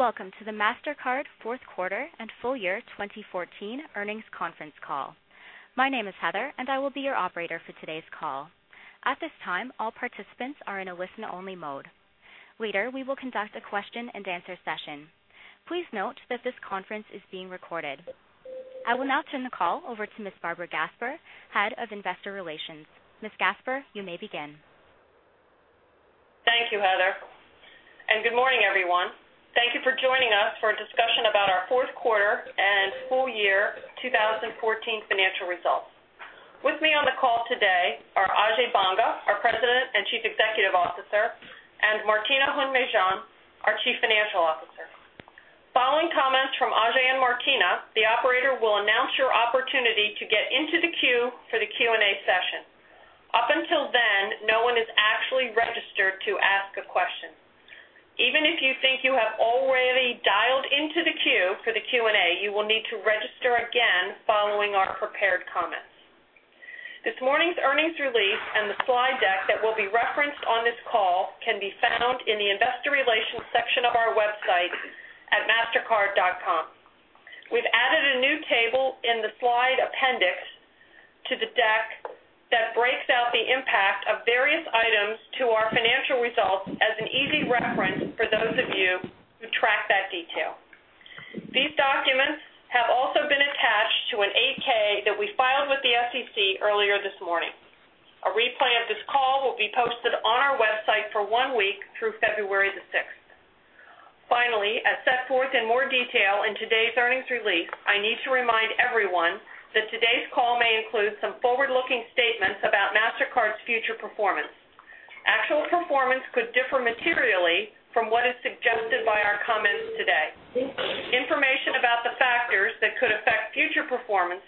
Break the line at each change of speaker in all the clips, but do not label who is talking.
Welcome to the Mastercard fourth quarter and full year 2014 earnings conference call. My name is Heather, and I will be your operator for today's call. At this time, all participants are in a listen-only mode. Later, we will conduct a question and answer session. Please note that this conference is being recorded. I will now turn the call over to Ms. Barbara Gasper, Head of Investor Relations. Ms. Gasper, you may begin.
Thank you, Heather. Good morning, everyone. Thank you for joining us for a discussion about our fourth quarter and full year 2014 financial results. With me on the call today are Ajay Banga, our President and Chief Executive Officer, and Martina Hund-Mejean, our Chief Financial Officer. Following comments from Ajay and Martina, the operator will announce your opportunity to get into the queue for the Q&A session. Up until then, no one is actually registered to ask a question. Even if you think you have already dialed into the queue for the Q&A, you will need to register again following our prepared comments. This morning's earnings release and the slide deck that will be referenced on this call can be found in the investor relations section of our website at mastercard.com. We've added a new table in the slide appendix to the deck that breaks out the impact of various items to our financial results as an easy reference for those of you who track that detail. These documents have also been attached to an 8-K that we filed with the SEC earlier this morning. A replay of this call will be posted on our website for one week through February the 6th. Finally, as set forth in more detail in today's earnings release, I need to remind everyone that today's call may include some forward-looking statements about Mastercard's future performance. Actual performance could differ materially from what is suggested by our comments today. Information about the factors that could affect future performance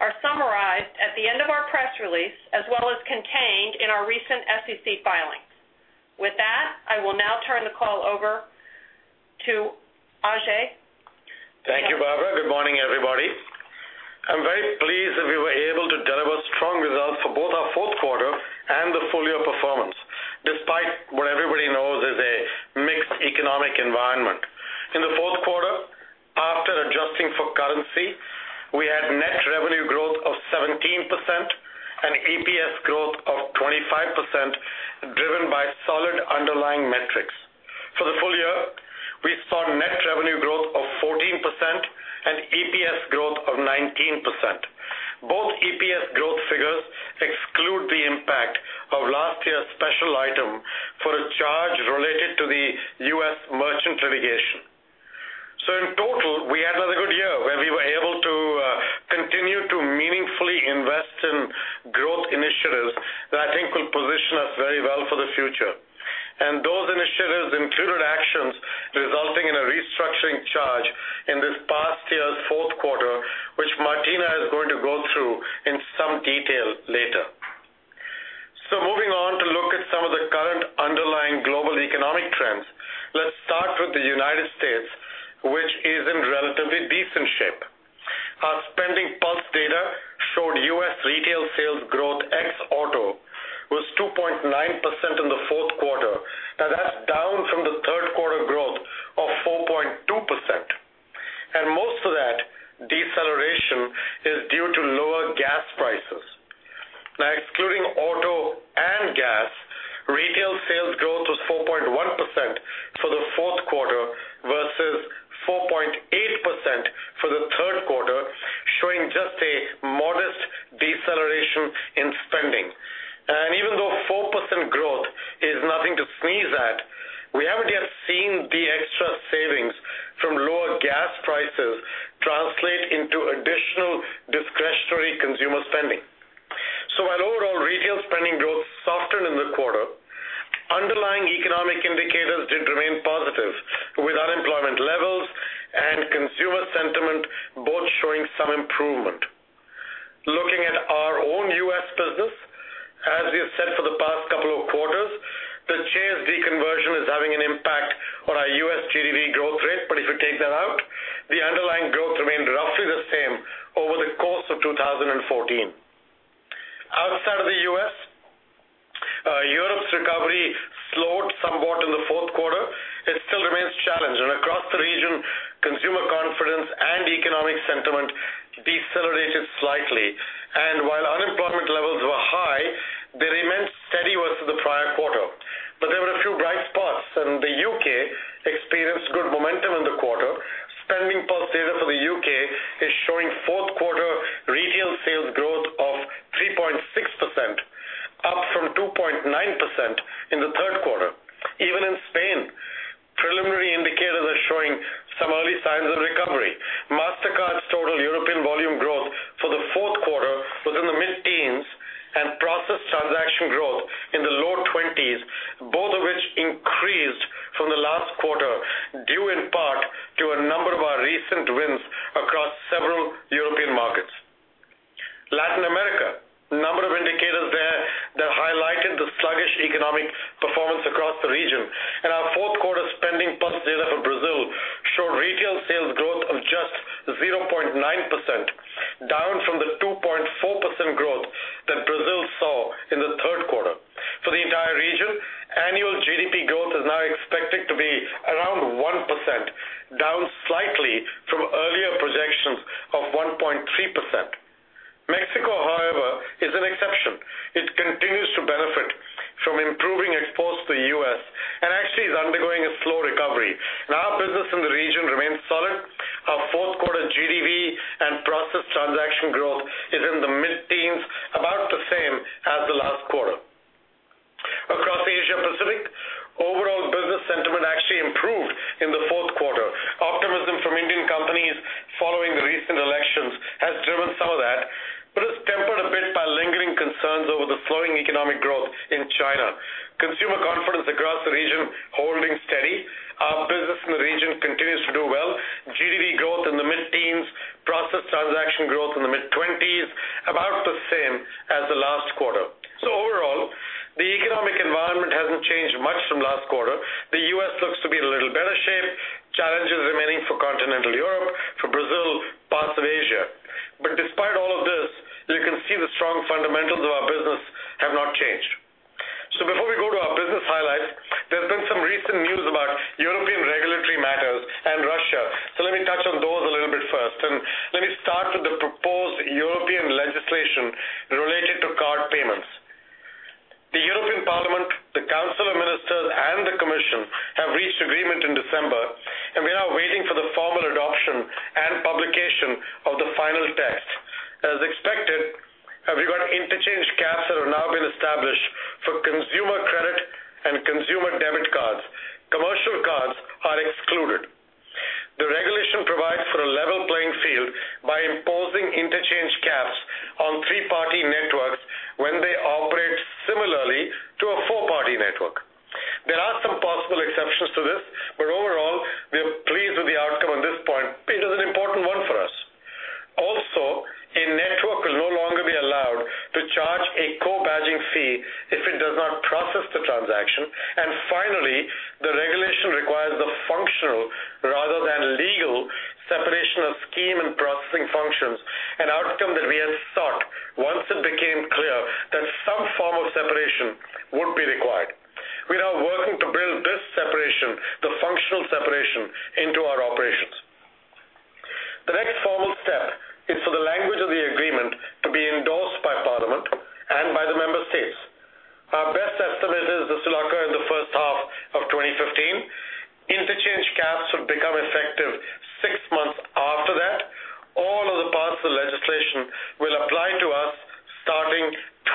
are summarized at the end of our press release, as well as contained in our recent SEC filings. With that, I will now turn the call over to Ajay.
Thank you, Barbara. Good morning, everybody. I'm very pleased that we were able to deliver strong results for both our fourth quarter and the full-year performance, despite what everybody knows is a mixed economic environment. In the fourth quarter, after adjusting for currency, we had net revenue growth of 17% and EPS growth of 25%, driven by solid underlying metrics. For the full year, we saw net revenue growth of 14% and EPS growth of 19%. Both EPS growth figures exclude the impact of last year's special item for a charge related to the U.S. merchant litigation. In total, we had another good year where we were able to continue to meaningfully invest in growth initiatives that I think will position us very well for the future. Those initiatives included actions resulting in a restructuring charge in this past year's fourth quarter, which Martina is going to go through in some detail later. Moving on to look at some of the current underlying global economic trends. Let's start with the United States, which is in relatively decent shape. Our SpendingPulse data showed U.S. retail sales growth ex auto was 2.9% in the fourth quarter. That's down from the third quarter growth of 4.2%, and most of that deceleration is due to lower gas prices. Excluding auto and gas, retail sales growth was 4.1% for the fourth quarter versus 4.8% for the third quarter, showing just a modest deceleration in spending. Even though 4% growth is nothing to sneeze at, we haven't yet seen the extra savings from lower gas prices translate into additional discretionary consumer spending. While overall retail spending growth softened in the quarter, underlying economic indicators did remain positive, with unemployment levels and consumer sentiment both showing some improvement. Looking at our own U.S. business, as we have said for the past couple of quarters, the JCD conversion is having an impact on our USD growth rate. If you take that out, the underlying growth remained roughly the same over the course of 2014. Outside of the U.S., Europe's recovery slowed somewhat in the fourth quarter. It still remains challenged. Across the region, consumer confidence and economic sentiment decelerated slightly. While unemployment levels were high, they remained steady versus the prior quarter. But there were a few bright spots, and the U.K. experienced good momentum in the quarter. SpendingPulse data for the U.K. is showing fourth quarter retail sales growth of 3.6%, up from 2.9% in the third quarter. Even in Spain, preliminary indicators are showing some early signs of recovery. Mastercard's total European volume growth for the fourth quarter was in the mid-teens and processed transaction growth in the low twenties, both of which increased from the last quarter, due in part to a number of our recent wins across several European markets. Latin America, a number of indicators there that highlighted the sluggish economic performance across the region. Our fourth quarter SpendingPulse data for Brazil showed retail sales growth of just 0.9%, down from the 2.4% growth that Brazil saw in the third quarter. Region, annual GDP growth is now expected to be around 1%, down slightly from earlier projections of 1.3%. Mexico, however, is an exception. It continues to benefit from improving exports to the U.S. and actually is undergoing a slow recovery. Our business in the region remains solid. Our fourth quarter GDV and processed transaction growth is in the mid-teens, about the same as the last quarter. Across Asia Pacific, overall business sentiment actually improved in the fourth quarter. Optimism from Indian companies following the recent elections has driven some of that, it's tempered a bit by lingering concerns over the slowing economic growth in China. Consumer confidence across the region holding steady. Our business in the region continues to do well. GDV growth in the mid-teens, processed transaction growth in the mid-20s, about the same as the last quarter. Overall, the economic environment hasn't changed much from last quarter. The U.S. looks to be in a little better shape. Challenges remaining for continental Europe, for Brazil, parts of Asia. Despite all of this, you can see the strong fundamentals of our business have not changed. Before we go to our business highlights, there's been some recent news about European regulatory matters and Russia. Let me touch on those a little bit first, and let me start with the proposed European legislation related to card payments. The European Parliament, the Council of Ministers, and the Commission have reached agreement in December, and we are waiting for the formal adoption and publication of the final text. As expected, we've got interchange caps that have now been established for consumer credit and consumer debit cards. Commercial cards are excluded. The regulation provides for a level playing field by imposing interchange caps on three-party networks when they operate similarly to a four-party network. There are some possible exceptions to this, overall, we are pleased with the outcome on this point. It is an important one for us. Also, a network will no longer be allowed to charge a co-badging fee if it does not process the transaction. Finally, the regulation requires the functional rather than legal separation of scheme and processing functions, an outcome that we had sought once it became clear that some form of separation would be required. We are now working to build this separation, the functional separation, into our operations. The next formal step is for the language of the agreement to be endorsed by Parliament and by the member states. Our best estimate is this will occur in the first half of 2015. Interchange caps would become effective six months after that. All of the parts of the legislation will apply to us starting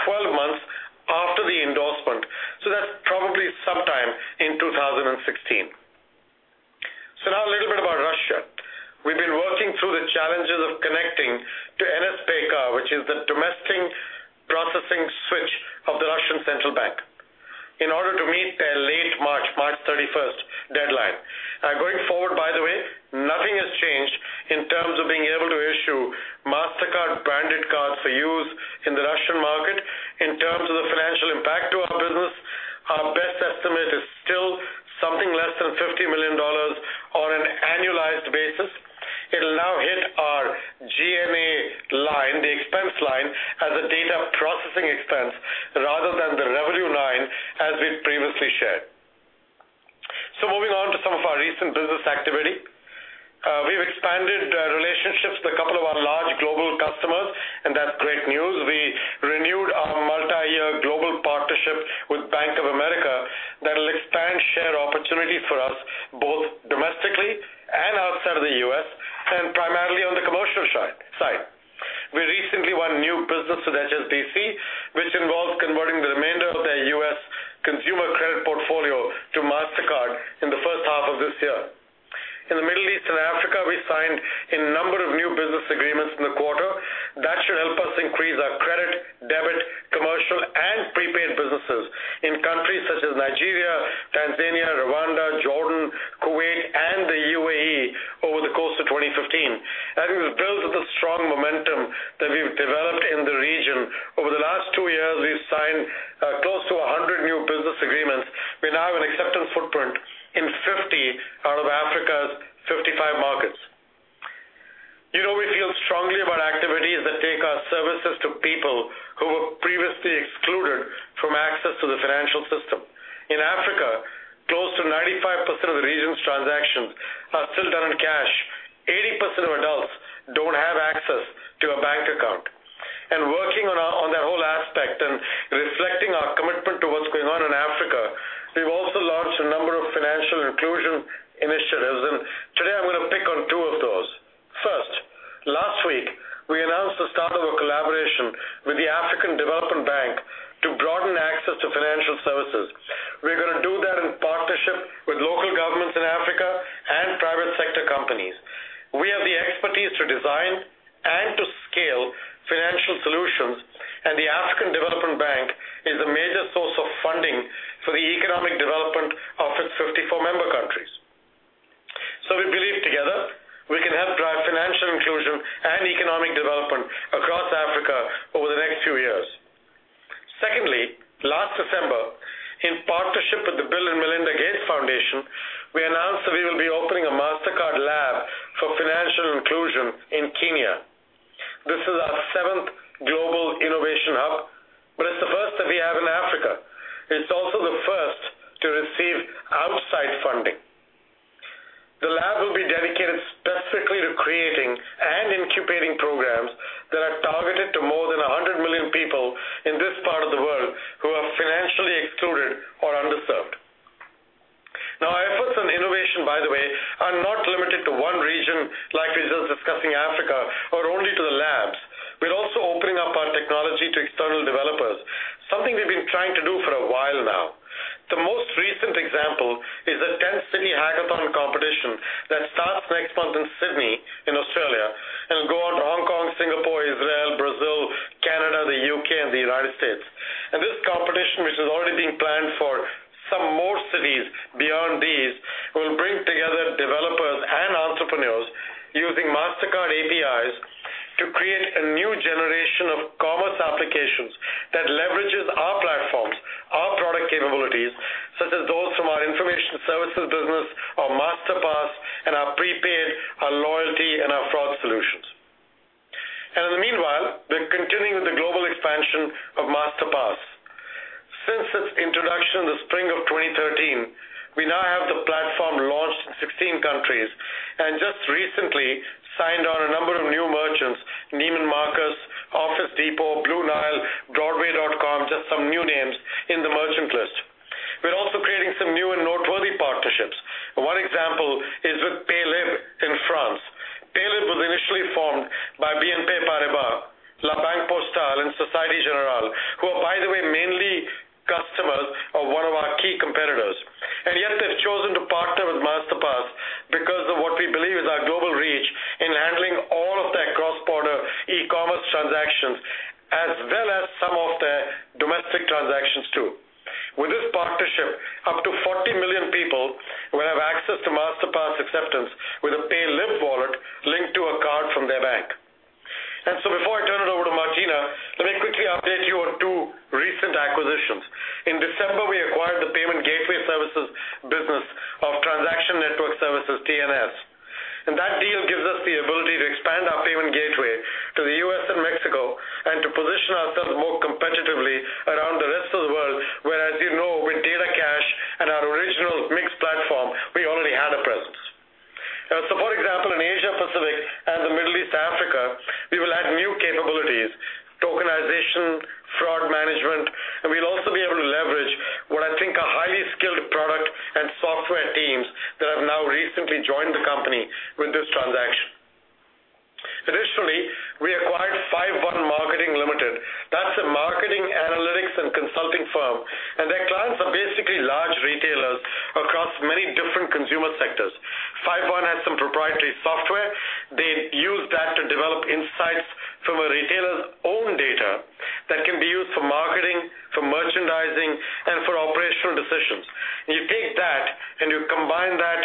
12 months after the endorsement. That's probably sometime in 2016. Now a little bit about Russia. We've been working through the challenges of connecting to NSPK, which is the domestic processing switch of the Russian Central Bank, in order to meet their late March 31st deadline. Going forward, by the way, nothing has changed in terms of being able to issue Mastercard-branded cards for use in the Russian market. In terms of the financial impact to our business, our best estimate is still something less than $50 million on an annualized basis. It'll now hit our G&A line, the expense line, as a data processing expense rather than the revenue line as we've previously shared. Moving on to some of our recent business activity. We've expanded relationships with a couple of our large global customers, and that's great news. We renewed our multi-year global partnership with Bank of America that will expand share opportunity for us both domestically and outside of the U.S., primarily on the commercial side. We recently won new business with HSBC, which involves converting the remainder of their U.S. consumer credit portfolio to Mastercard in the first half of this year. In the Middle East and Africa, we signed a number of new business agreements in the quarter that should help us increase our credit, debit, commercial, and prepaid businesses in countries such as Nigeria, Tanzania, Rwanda, Jordan, Kuwait, and the UAE over the course of 2015. We've built with the strong momentum that we've developed in the region. Over the last two years, we've signed close to 100 new business agreements. We now have an acceptance footprint in 50 out of Africa's 55 markets. We feel strongly about activities that take our services to people who were previously excluded from access to the financial system. In Africa, close to 95% of the region's transactions are still done in cash. 80% of adults don't have access to a bank account. Working on that whole aspect and reflecting our commitment to what's going on in Africa, we've also launched a number of financial inclusion initiatives, and today I'm going to pick on two of those. First, last week, we announced the start of a collaboration with the African Development Bank to broaden access to financial services. We're going to do that in partnership with local governments in Africa and private sector companies. We have the expertise to design and to scale financial solutions, and the African Development Bank is a major source of funding for the economic development of its 54 member countries. We believe together we can help drive financial inclusion and economic development across Africa over the next few years. Secondly, last December, in partnership with the Bill & Melinda Gates Foundation, we announced that we will be In Kenya. This is our seventh global innovation hub, but it's the first that we have in Africa. It's also the first to receive outside funding. The lab will be dedicated specifically to creating and incubating programs that are targeted to more than 100 million people in this part of the world who are financially excluded or underserved. Our efforts on innovation, by the way, are not limited to one region like we're just discussing Africa or only to the labs. We're also opening up our technology to external developers, something we've been trying to do for a while now. The most recent example is a 10-city hackathon competition that starts next month in Sydney, in Australia, and will go on to Hong Kong, Singapore, Israel, Brazil, Canada, the U.K., and the U.S. This competition, which is already being planned for some more cities beyond these, will bring together developers and entrepreneurs using Mastercard APIs to create a new generation of commerce applications that leverages our platforms, our product capabilities, such as those from our information services business, our Masterpass and our prepaid, our loyalty, and our fraud solutions. In the meanwhile, we're continuing with the global expansion of Masterpass. Since its introduction in the spring of 2013, we now have the platform launched in 16 countries, and just recently signed on a number of new merchants, Neiman Marcus, Office Depot, Blue Nile, Broadway.com, just some new names in the merchant list. We're also creating some new and noteworthy partnerships. One example is with Paylib in France. Paylib was initially formed by BNP Paribas, La Banque Postale, and Société Générale, who are, by the way, mainly customers of one of our key competitors. Yet they've chosen to partner with Masterpass because of what we believe is our global reach in handling all of their cross-border e-commerce transactions, as well as some of their domestic transactions too. With this partnership, up to 40 million people will have access to Masterpass acceptance with a Paylib wallet linked to a card from their bank. So before I turn it over to Martina, let me quickly update you on two recent acquisitions. In December, we acquired the payment gateway services business of Transaction Network Services, TNS. That deal gives us the ability to expand our payment gateway to the U.S. and Mexico and to position ourselves more competitively around the rest of the world, where, as you know, with DataCash and our original MiGS platform, we already had a presence. For example, in Asia Pacific and the Middle East Africa, we will add new capabilities, tokenization, fraud management, and we'll also be able to leverage what I think are highly skilled product and software teams that have now recently joined the company with this transaction. Additionally, we acquired 5one Marketing Limited. That's a marketing analytics and consulting firm, and their clients are basically large retailers across many different consumer sectors. 5one has some proprietary software. They use that to develop insights from a retailer's own data that can be used for marketing, for merchandising, and for operational decisions. You take that and you combine that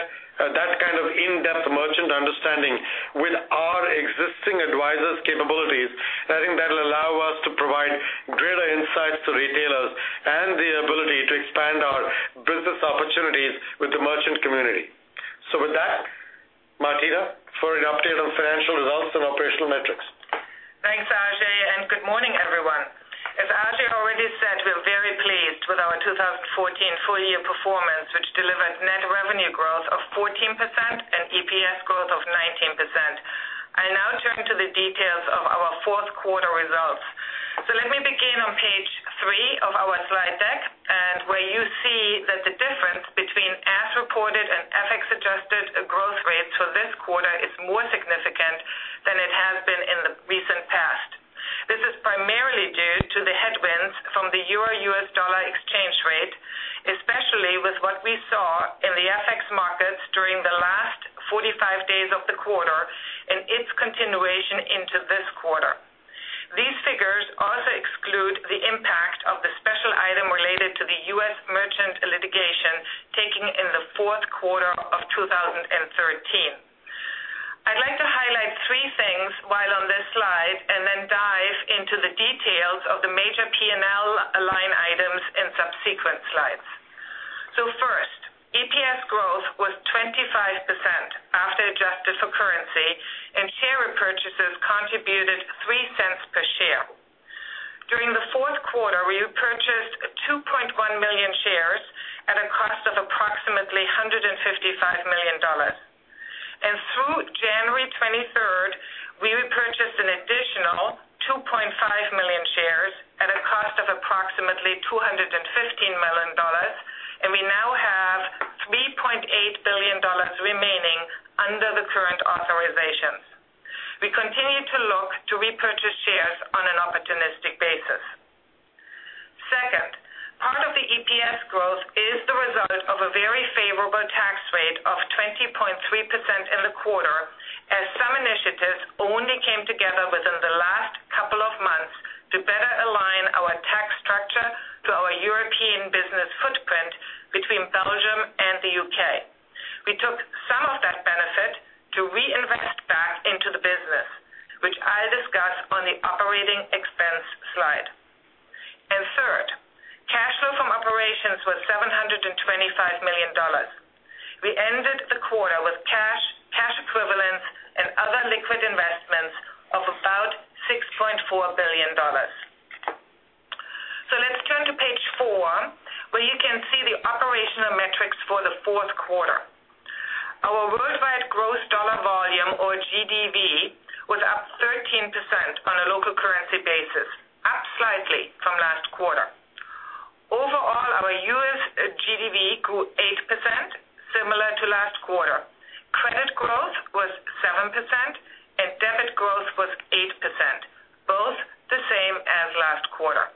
kind of in-depth merchant understanding with our existing advisors' capabilities, I think that'll allow us to provide greater insights to retailers and the ability to expand our business opportunities with the merchant community. With that, Martina, for an update on financial results and operational metrics.
Thanks, Ajay, and good morning, everyone. As Ajay already said, we're very pleased with our 2014 full-year performance, which delivered net revenue growth of 14% and EPS growth of 19%. I now turn to the details of our fourth quarter results. Let me begin on page three of our slide deck and where you see that the difference between as reported and FX-adjusted growth rates for this quarter is more significant than it has been in the recent past. This is primarily due to the headwinds from the euro-U.S. dollar exchange rate, especially with what we saw in the FX markets during the last 45 days of the quarter and its continuation into this quarter. These figures also exclude the impact of the special item related to the U.S. merchant litigation taking in the fourth quarter of 2013. I'd like to highlight three things while on this slide and then dive into the details of the major P&L line items in subsequent slides. First, EPS growth was 25% after adjusted for currency, and share repurchases contributed $0.03 per share. During the fourth quarter, we repurchased 2.1 million shares at a cost of approximately $155 million. Through January 23rd, we repurchased an additional 2.5 million shares at a cost of approximately $215 million, and we now have $3.8 billion remaining under the current authorizations. We continue to look to repurchase shares on an opportunistic basis. Second, part of the EPS growth is the result of a very favorable tax rate of 20.3% in the quarter, as some initiatives only came together within the last couple of months to better align our tax structure to our European business footprint between Belgium and the U.K. We took some of that benefit to reinvest back into the business, which I discuss on the operating expense slide. We ended the quarter with cash equivalents and other liquid investments of about $6.4 billion. Let's turn to page four, where you can see the operational metrics for the fourth quarter. Our worldwide gross dollar volume, or GDV, was up 13% on a local currency basis, up slightly from last quarter. Overall, our U.S. GDV grew 8%, similar to last quarter. Credit growth was 7% and debit growth was 8%, both the same as last quarter.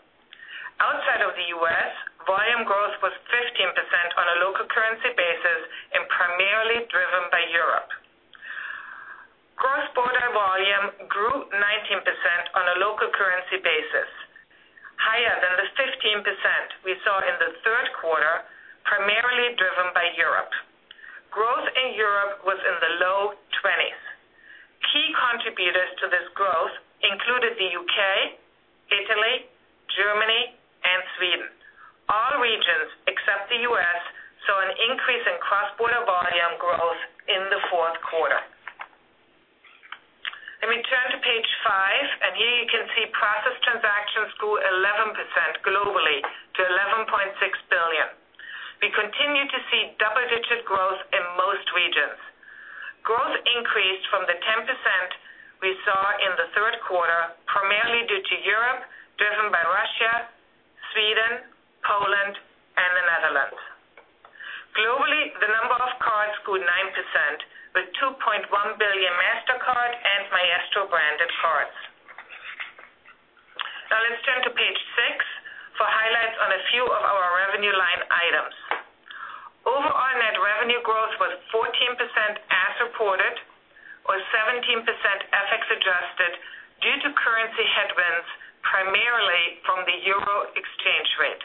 Outside of the U.S., volume growth was 15% on a local currency basis and primarily driven by Europe. Cross-border volume grew 19% on a local currency basis, higher than the 15% we saw in the third quarter, primarily driven by Europe. Growth in Europe was in the low 20s. Key contributors to this growth included the U.K., Italy, Germany, and Sweden. All regions, except the U.S., saw an increase in cross-border volume growth in the fourth quarter. Let me turn to page five, here you can see processed transactions grew 11% globally to 11.6 billion. We continue to see double-digit growth in most regions. Growth increased from the 10% we saw in the third quarter, primarily due to Europe, driven by Russia, Sweden, Poland, and the Netherlands. Globally, the number of cards grew 9%, with 2.1 billion Mastercard and Maestro-branded cards. Let's turn to page six for highlights on a few of our revenue line items. Overall net revenue growth was 14% as reported, or 17% FX adjusted due to currency headwinds, primarily from the euro exchange rate.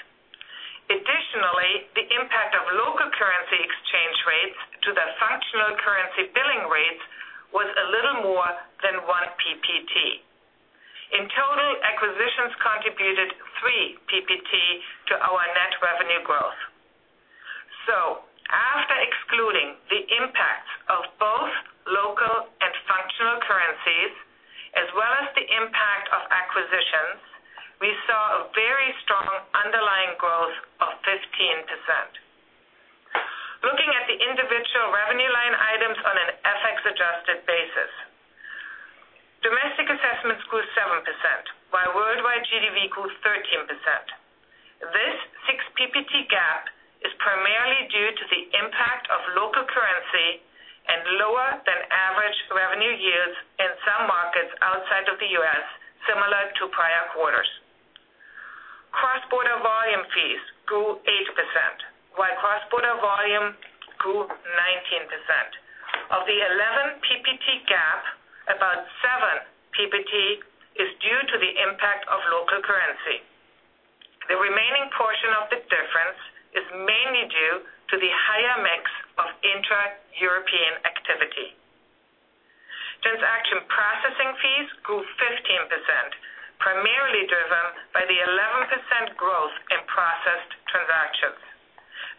Additionally, the impact of local currency exchange rates to the functional currency billing rates was a little more than one PPT. In total, acquisitions contributed three PPT to our net revenue growth. After excluding the impact of both local and functional currencies, as well as the impact of acquisitions, we saw a very strong underlying growth of 15%. Looking at the individual revenue line items on an FX-adjusted basis. Domestic assessments grew 7%, while worldwide GDV grew 13%. This six PPT gap is primarily due to the impact of local currency and lower than average revenue yields in some markets outside of the U.S., similar to prior quarters. Cross-border volume fees grew 8%, while cross-border volume grew 19%. Of the 11 PPT gap, about seven PPT is due to the impact of local currency. The remaining portion of the difference is mainly due to the higher mix of intra-European activity. Transaction processing fees grew 15%, primarily driven by the 11% growth in processed transactions.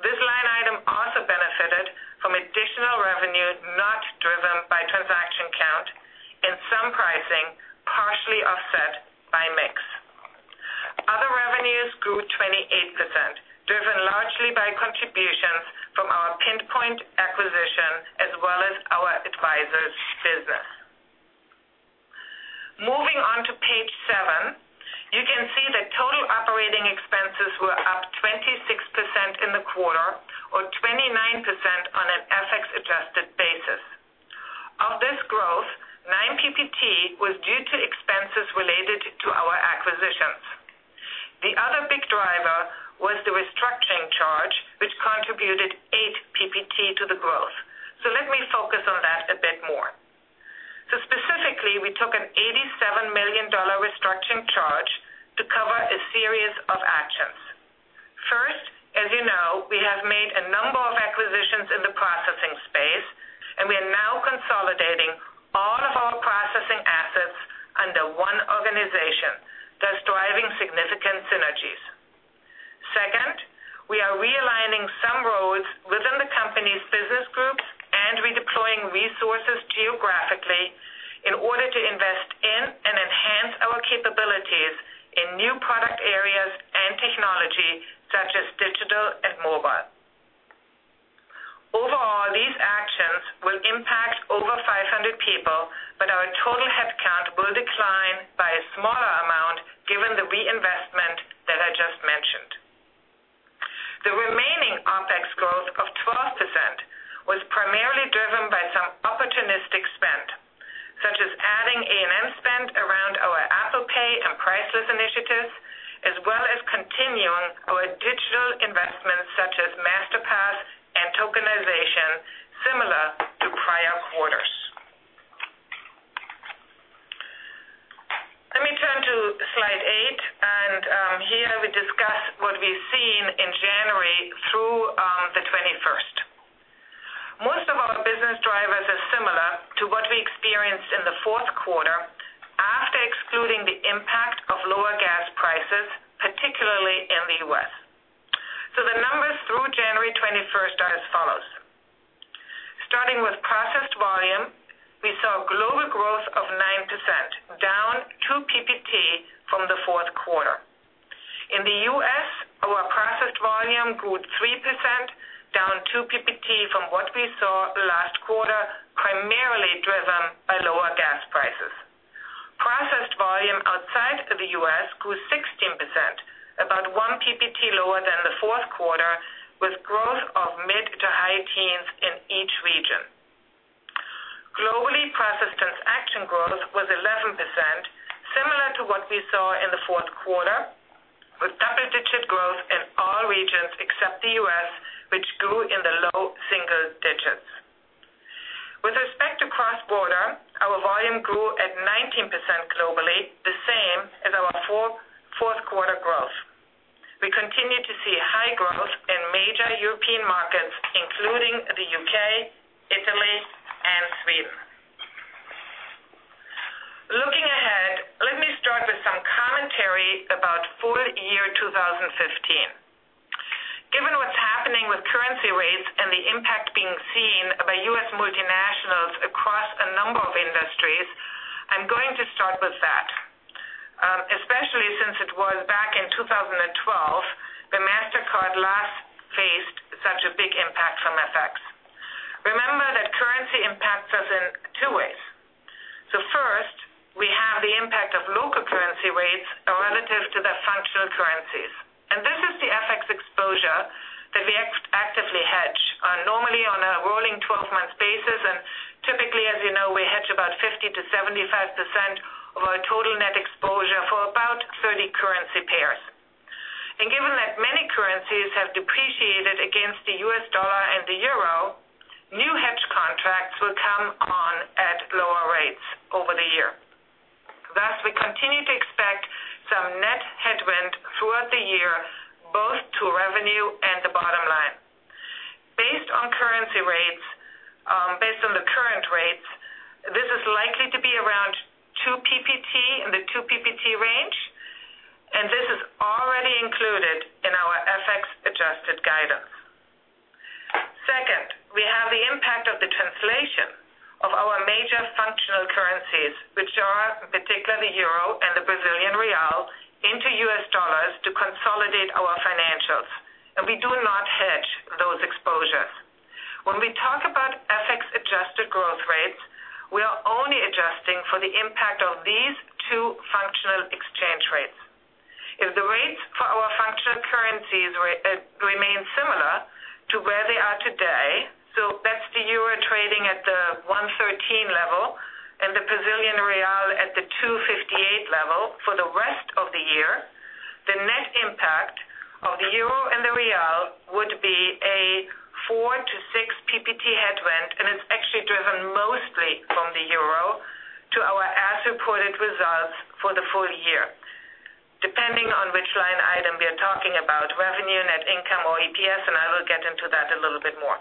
This line item also benefited from additional revenue not driven by transaction count and some pricing partially offset by mix. Other revenues grew 28%, driven largely by contributions from our Pinpoint acquisition as well as our advisors business. Moving on to page seven, you can see that total operating expenses were up 26% in the quarter or 29% on an FX-adjusted basis. Of this growth, nine PPT was due to expenses related to our acquisitions. The other big driver was the restructuring charge, which contributed eight PPT to the growth. Let me focus on that a bit more. Specifically, we took an $87 million restructuring charge to cover a series of actions. First, as you know, we have made a number of acquisitions in the processing space, and we are now consolidating all of our processing assets under one organization, thus driving significant synergies. Second, we are realigning some roles within the company's business groups and redeploying resources geographically in order to invest in and enhance our capabilities in new product areas and technology such as digital and mobile. Overall, these actions will impact over 500 people, but our total headcount will decline by a smaller amount given the reinvestment that I just mentioned. The remaining OpEx growth of 12% was primarily driven by some opportunistic spend, such as adding A&M spend around our Apple Pay and Priceless initiatives, as well as continuing our digital investments such as Masterpass and tokenization, similar to prior quarters. Let me turn to slide eight. Here we discuss what we've seen in January through the 21st. Most of our business drivers are similar to what we experienced in the fourth quarter after excluding the impact of lower gas prices in the U.S. The numbers through January 21st are as follows. Starting with processed volume, we saw global growth of 9%, down two PPT from the fourth quarter. In the U.S., our processed volume grew 3%, down two PPT from what we saw last quarter, primarily driven by lower gas prices. Processed volume outside of the U.S. grew 16%, about one PPT lower than the fourth quarter, with growth of mid to high teens in each region. Globally, processed transaction growth was 11%, similar to what we saw in the fourth quarter, with double-digit growth in all regions except the U.S., which grew in the low single digits. With respect to cross-border, our volume grew at 19% globally, the same as our fourth quarter growth. We continue to see high growth in major European markets, including the U.K., Italy and Sweden. Looking ahead, let me start with some commentary about full year 2015. Given what's happening with currency rates and the impact being seen by U.S. multinationals across a number of industries, I'm going to start with that. Especially since it was back in 2012 that Mastercard last faced such a big impact from FX. Remember that currency impacts us in two ways. First, we have the impact of local currency rates relative to the functional currencies, and this is the FX exposure that we actively hedge normally on a rolling 12-month basis. Typically, as you know, we hedge about 50%-75% of our total net exposure for about 30 currency pairs. Given that many currencies have depreciated against the U.S. dollar and the EUR, new hedge contracts will come on at lower rates over the year. Thus, we continue to expect some net headwind throughout the year, both to revenue and the bottom line. Based on currency rates, based on the current rates, this is likely to be around two PPT, in the two PPT range, and this is already included in our FX-adjusted guidance. Second, we have the impact of the translation of our major functional currencies, which are particularly the EUR and the Brazilian real into U.S. dollars to consolidate our financials, and we do not hedge those exposures. When we talk about FX-adjusted growth rates, we are only adjusting for the impact of these two functional exchange rates. If the rates for our functional currencies remain similar to where they are today, so that's the EUR trading at the 113 level and the Brazilian real at the 258 level for the rest of the year, the net impact of the EUR and the real would be a 4-6 PPT headwind, and it's actually driven mostly from the EUR to our as-reported results for the full year, depending on which line item we are talking about, revenue, net income or EPS, and I will get into that a little bit more.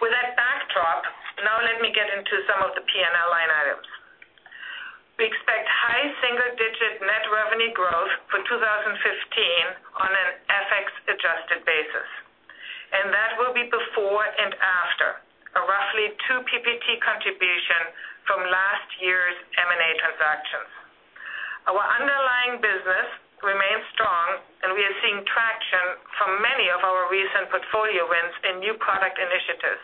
With that backdrop, now let me get into some of the P&L line items. We expect high single-digit net revenue growth for 2015 on an FX-adjusted basis, and that will be before and after a roughly two PPT contribution from last year's M&A transactions. Our underlying business remains strong, we are seeing traction from many of our recent portfolio wins and new product initiatives.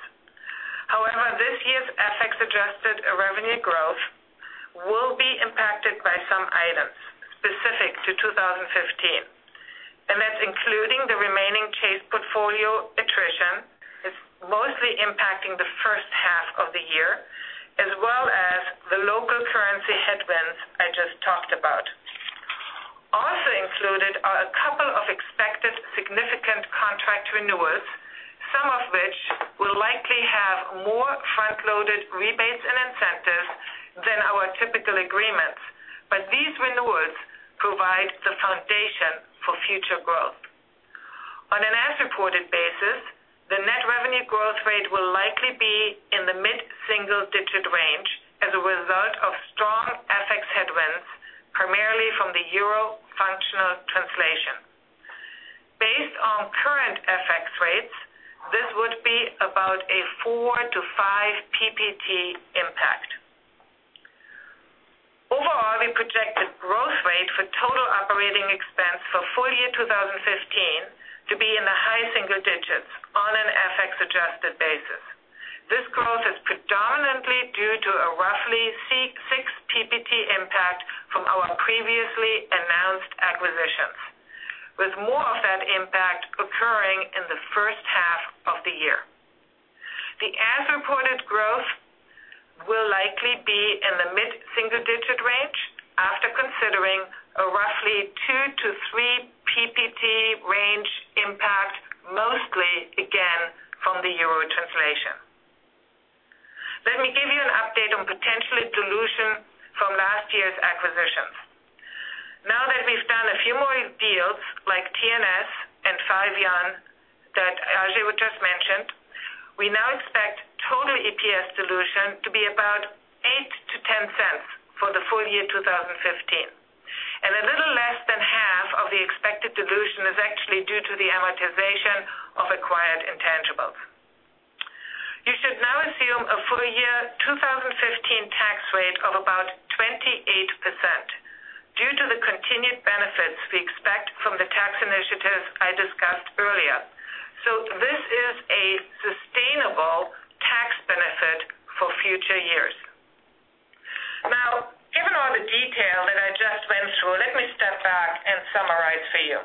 However, this year's FX-adjusted revenue growth will be impacted by some items specific to 2015, and that's including the remaining Chase portfolio attrition. It's mostly impacting the first half of the year, as well as the local currency headwinds I just talked about. Also included are a couple of expected significant contract renewals, some of which will likely have more front-loaded rebates and incentives than our typical agreements. These renewals provide the foundation for future growth. On an as-reported basis, the net revenue growth rate will likely be in the mid-single-digit range as a result of strong FX headwinds, primarily from the EUR functional translation. Based on current FX rates, this would be about a 4-5 PPT impact. Overall, we project a growth rate for total operating expense for full year 2015 to be in the high single digits on an FX-adjusted basis. This growth is predominantly due to a roughly six PPT impact from our previously announced acquisitions, with more of that impact occurring in the first half of the year. The as-reported growth will likely be in the mid-single-digit range after considering a roughly 2-3 PPT range impact, mostly again from the EUR translation. Let me give you an update on potential dilution from last year's acquisitions. Now that we've done a few more deals like TNS and 5one that Ajay just mentioned, we now expect total EPS dilution to be about $0.08 to $0.10 for the full year 2015. A little less than half of the expected dilution is actually due to the amortization of acquired intangibles. You should now assume a full year 2015 tax rate of about 28% due to the continued benefits we expect from the tax initiatives I discussed earlier. This is a sustainable tax benefit for future years. Given all the detail that I just went through, let me step back and summarize for you.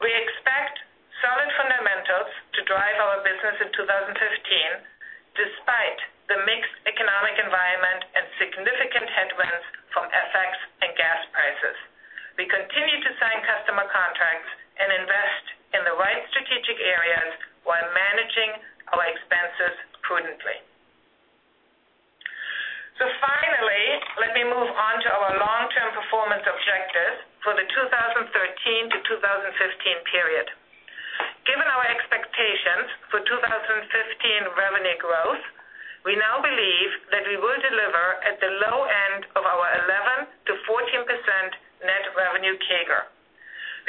We expect solid fundamentals to drive our business in 2015, despite the mixed economic environment and significant headwinds from FX and gas prices. We continue to sign customer contracts and invest in the right strategic areas while managing our expenses prudently. Finally, let me move on to our long-term performance objectives for the 2013 to 2015 period. Given our expectations for 2015 revenue growth, we now believe that we will deliver at the low end of our 11%-14% net revenue CAGR.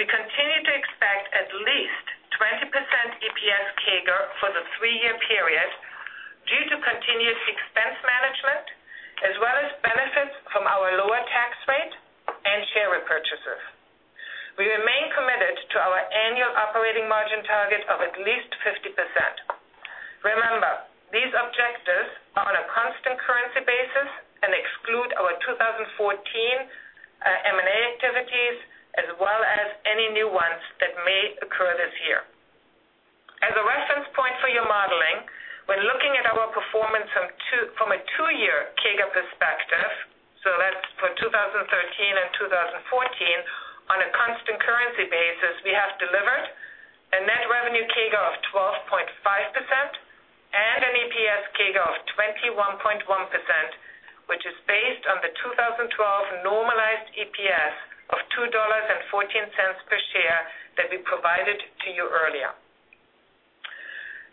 We continue to expect at least 20% EPS CAGR for the three-year period due to continued expense management, as well as benefits from our lower tax rate and share repurchases. We remain committed to our annual operating margin target of at least 50%. Remember, these objectives are on a constant currency basis and exclude our 2014 M&A activities, as well as any new ones that may occur this year. As a reference point for your modeling, when looking at our performance from a two-year CAGR perspective, that's for 2013 and 2014, on a constant currency basis, we have delivered a net revenue CAGR of 12.5% and an EPS CAGR of 21.1%, which is based on the 2012 normalized EPS of $2.14 per share that we provided to you earlier.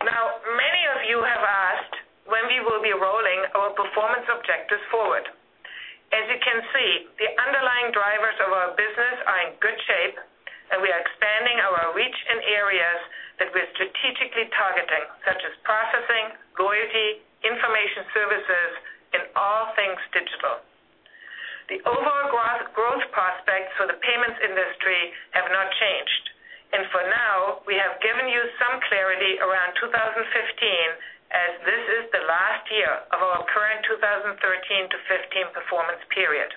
Many of you have asked when we will be rolling our performance objectives forward. As you can see, the underlying drivers of our business are in good shape, and we are expanding our reach in areas that we are strategically targeting, such as processing, loyalty, information services, and all things digital. The overall growth prospects for the payments industry have not changed. For now, we have given you some clarity around 2015, as this is the last year of our current 2013 to 2015 performance period.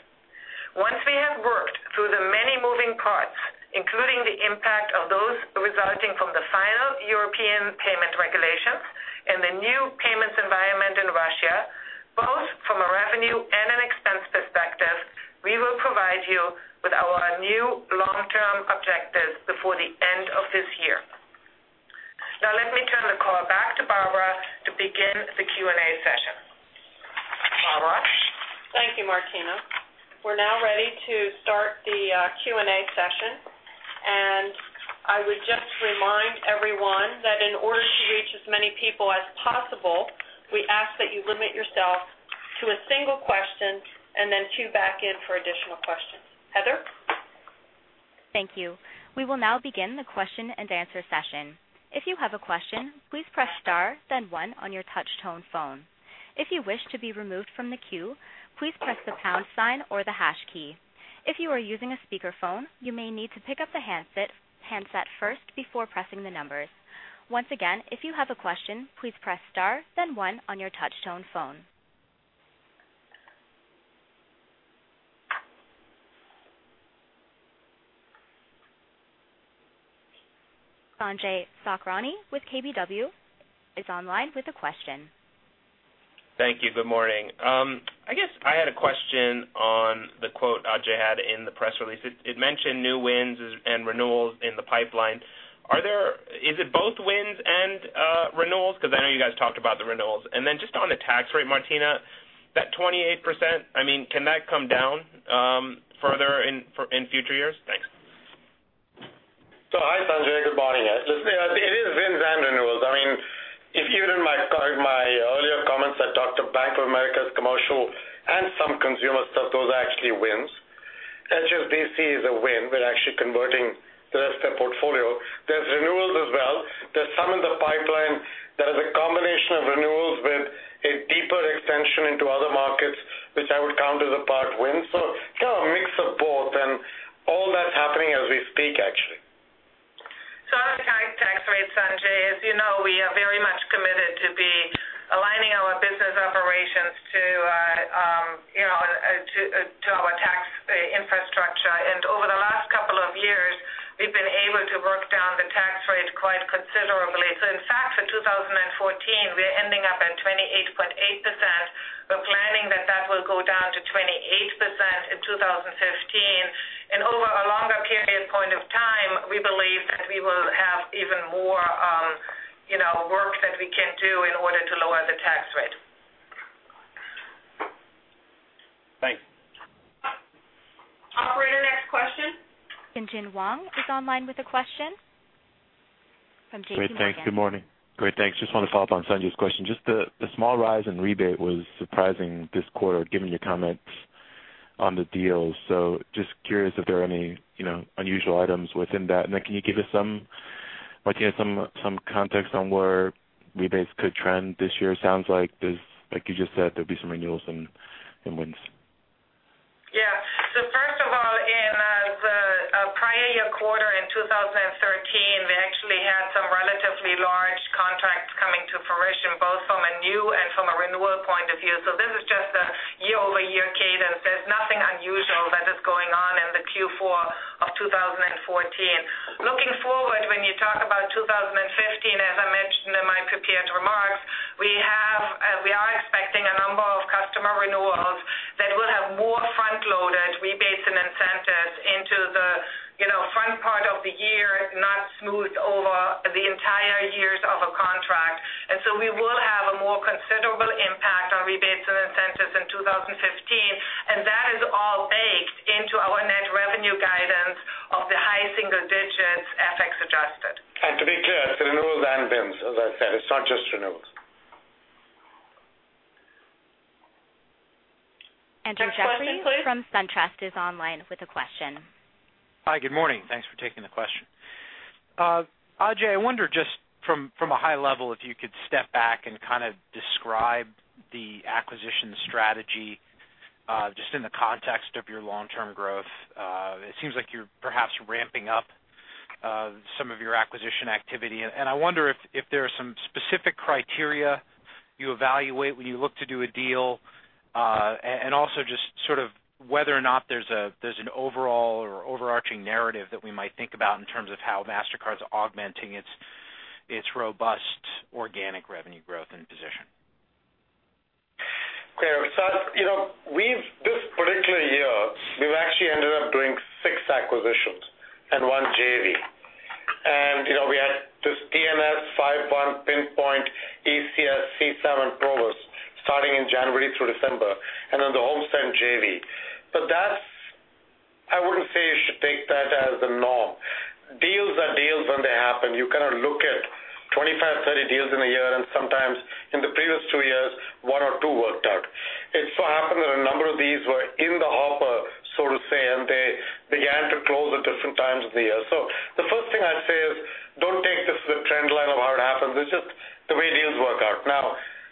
Once we have worked through the many moving parts, including the impact of those resulting from the final European payment regulations and the new payments environment in Russia, both from a revenue and an expense perspective, we will provide you with our new long-term objectives before the end of this year. Let me turn the call back to Barbara to begin the Q&A session. Barbara?
Thank you, Martina. We are now ready to start the Q&A session, and I would just remind everyone that in order to reach as many people as possible, we ask that you limit yourself to a single question and then queue back in for additional questions. Heather?
Thank you. We will now begin the question and answer session. If you have a question, please press star then one on your touch tone phone. If you wish to be removed from the queue, please press the pound sign or the hash key. If you are using a speakerphone, you may need to pick up the handset first before pressing the numbers. Once again, if you have a question, please press star then one on your touch tone phone. Sanjay Sakhrani with KBW is online with a question.
Thank you. Good morning. I guess I had a question on the quote Ajay had in the press release. It mentioned new wins and renewals in the pipeline. Is it both wins and renewals? Because I know you guys talked about the renewals. Just on the tax rate, Martina, that 28%, can that come down further in future years? Thanks.
Hi, Sanjay. Good morning. It is wins and renewals. If you read my earlier comments, I talked of Bank of America's commercial and some consumer stuff. Those are actually wins. HSBC is a win. We're actually converting the rest of their portfolio. There's renewals as well. There's some in the pipeline that is a combination of renewals with a deeper extension into other markets, which I would count as a part win. It's kind of a mix of both and all that's happening as we speak, actually. On the current tax rate, Sanjay, as you know, we are very much committed to aligning our business operations to our tax infrastructure. Over the last couple of years, we've been able to work down the tax rate quite considerably. In fact, for 2014, we are ending up at 28.8%. We're planning that that will go down to 28% in 2015. Over a longer period point of time, we believe that we will have even more work that we can do in order to lower the tax rate.
Thanks
Tien-tsin Huang is online with a question from J.P. Morgan.
Great, thanks. Good morning. Just want to follow up on Sanjay's question. Just the small rise in rebate was surprising this quarter, given your comments on the deals. Just curious if there are any unusual items within that. Can you give us some context on where rebates could trend this year? It sounds like you just said there'll be some renewals and wins.
First of all, in the prior year quarter in 2013, we actually had some relatively large contracts coming to fruition, both from a new and from a renewal point of view. This is just a year-over-year cadence. There's nothing unusual that is going on in the Q4 of 2014. Looking forward, when you talk about 2015, as I mentioned in my prepared remarks, we are expecting a number of customer renewals that will have more front-loaded rebates and incentives into the front part of the year, not smoothed over the entire years of a contract. We will have a more considerable impact on rebates and incentives in 2015, and that is all baked into our net revenue guidance of the high single digits, FX adjusted.
To be clear, it's renewals and wins, as I said. It's not just renewals.
Andrew Jeffrey.
Next question, please.
From SunTrust is online with a question.
Hi, good morning. Thanks for taking the question. Ajay, I wonder just from a high level, if you could step back and kind of describe the acquisition strategy just in the context of your long-term growth. It seems like you're perhaps ramping up some of your acquisition activity. I wonder if there are some specific criteria you evaluate when you look to do a deal. Also just sort of whether or not there's an overall or overarching narrative that we might think about in terms of how Mastercard's augmenting its robust organic revenue growth and position.
Okay, this particular year, we've actually ended up doing six acquisitions and one JV. We had just TNS, 5one, Pinpoint, ECS, C-SAM, Provus, starting in January through December, and then the HomeSend JV. That, I wouldn't say you should take that as the norm. Deals are deals when they happen. You kind of look at 25, 30 deals in a year, and sometimes in the previous two years, one or two worked out. It so happened that a number of these were in the hopper, so to say, and they began to close at different times of the year. The first thing I'd say is, don't take this as a trend line of how it happens. It's just the way deals work out.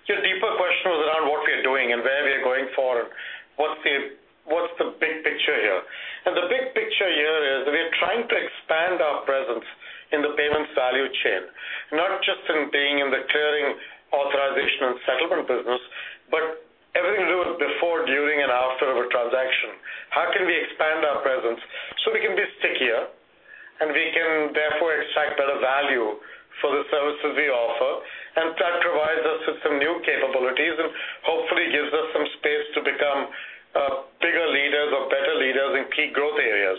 Your deeper question was around what we're doing and where we're going forward. What's the big picture here? The big picture here is we're trying to expand our presence in the payment value chain, not just in being in the clearing, authorization and settlement business, but everything to do with before, during, and after of a transaction. How can we expand our presence so we can be stickier, and we can therefore extract better value for the services we offer, and that provides us with some new capabilities and hopefully gives us some space to become bigger leaders or better leaders in key growth areas.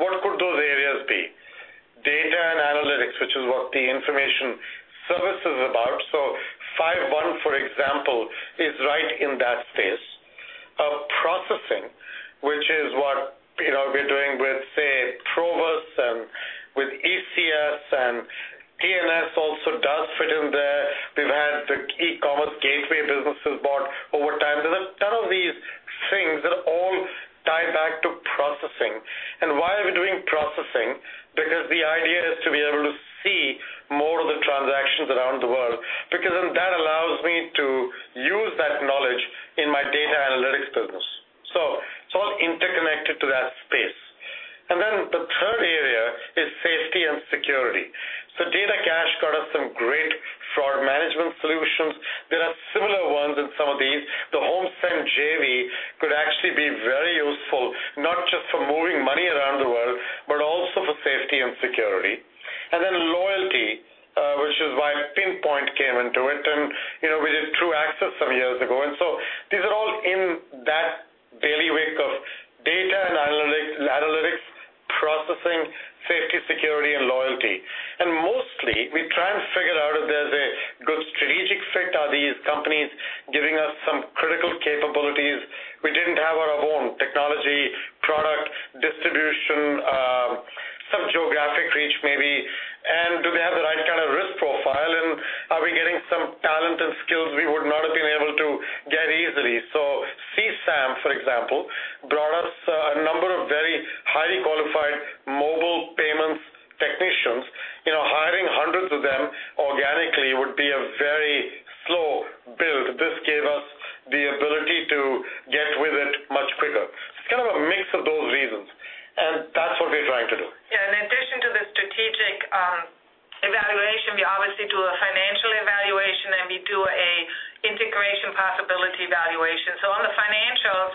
What could those areas be? Data and analytics, which is what the information service is about. 5one, for example, is right in that space. Processing, which is what we're doing with, say, Provus and with ECS, and TNS also does fit in there. We've had the e-commerce gateway businesses bought over time. There's a ton of these things that all tie back to processing. Why are we doing processing? Because the idea is to be able to see more of the transactions around the world, because then that allows me to use that knowledge in my data analytics business. It's all interconnected to that space. The third area is safety and security. DataCash got us some great fraud management solutions. There are similar ones in some of these. The HomeSend JV could actually be very useful, not just for moving money around the world, but also for safety and security. Loyalty, which is why Pinpoint came into it, and we did Truaxis some years ago. These are all in that bailiwick of data and analytics, processing, safety, security, and loyalty. Mostly, we try and figure out if there's a good strategic fit. Are these companies giving us some critical capabilities we didn't have on our own? Technology, product, distribution, some geographic reach maybe, do they have the right kind of risk profile? Are we getting some talent and skills we would not have been able to get easily? C-SAM, for example, brought us a number of very highly qualified mobile payments technicians. Hiring hundreds of them organically would be a very slow build. This gave us the ability to get with it much quicker. It's kind of a mix of those reasons, and that's what we're trying to do.
In addition to the strategic evaluation, we obviously do a financial evaluation. We do an integration possibility evaluation. On the financials,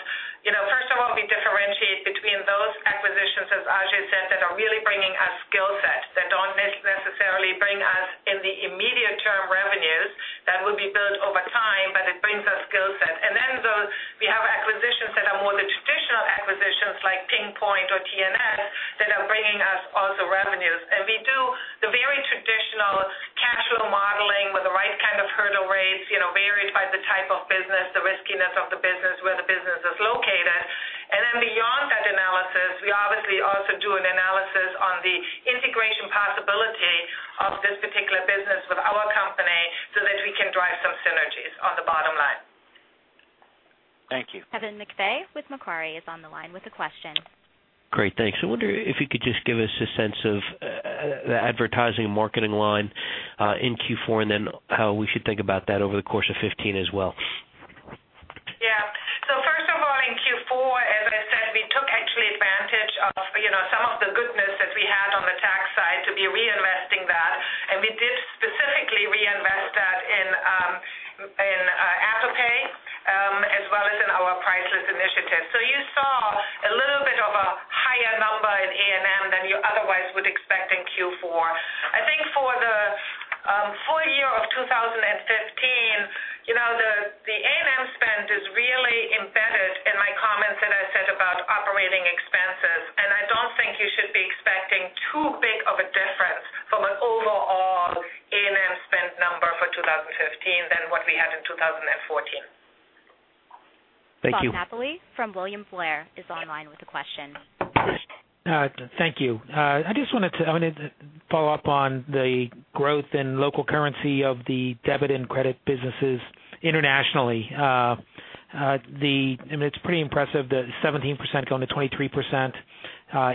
first of all, we differentiate between those acquisitions, as Ajay said, that are really bringing us skill set, that don't necessarily bring us in the immediate-term revenues that will be built over time, but it brings us skill set. Then we have acquisitions that are more the traditional acquisitions like Pinpoint or TNS that are bringing us also revenues. We do the very traditional cash flow modeling. Varies by the type of business, the riskiness of the business, where the business is located. Beyond that analysis, we obviously also do an analysis on the integration possibility of this particular business with our company so that we can drive some synergies on the bottom line.
Thank you.
Kevin McVeigh with Macquarie is on the line with a question.
Great, thanks. I wonder if you could just give us a sense of the advertising and marketing line in Q4. Then how we should think about that over the course of 2015 as well.
First of all, in Q4, as I said, we took actually advantage of some of the goodness that we had on the tax side to be reinvesting that. We did specifically reinvest that in Apple Pay, as well as in our Priceless initiative. You saw a little bit of a higher number in A&M than you otherwise would expect in Q4. I think for the full year of 2015, the A&M spend is really embedded in my comments that I said about operating expenses. I don't think you should be expecting too big of a difference from an overall A&M spend number for 2015 than what we had in 2014.
Thank you.
Bob Napoli from William Blair is online with a question.
Thank you. I just wanted to follow up on the growth in local currency of the debit and credit businesses internationally. I mean, it's pretty impressive, the 17% going to 23%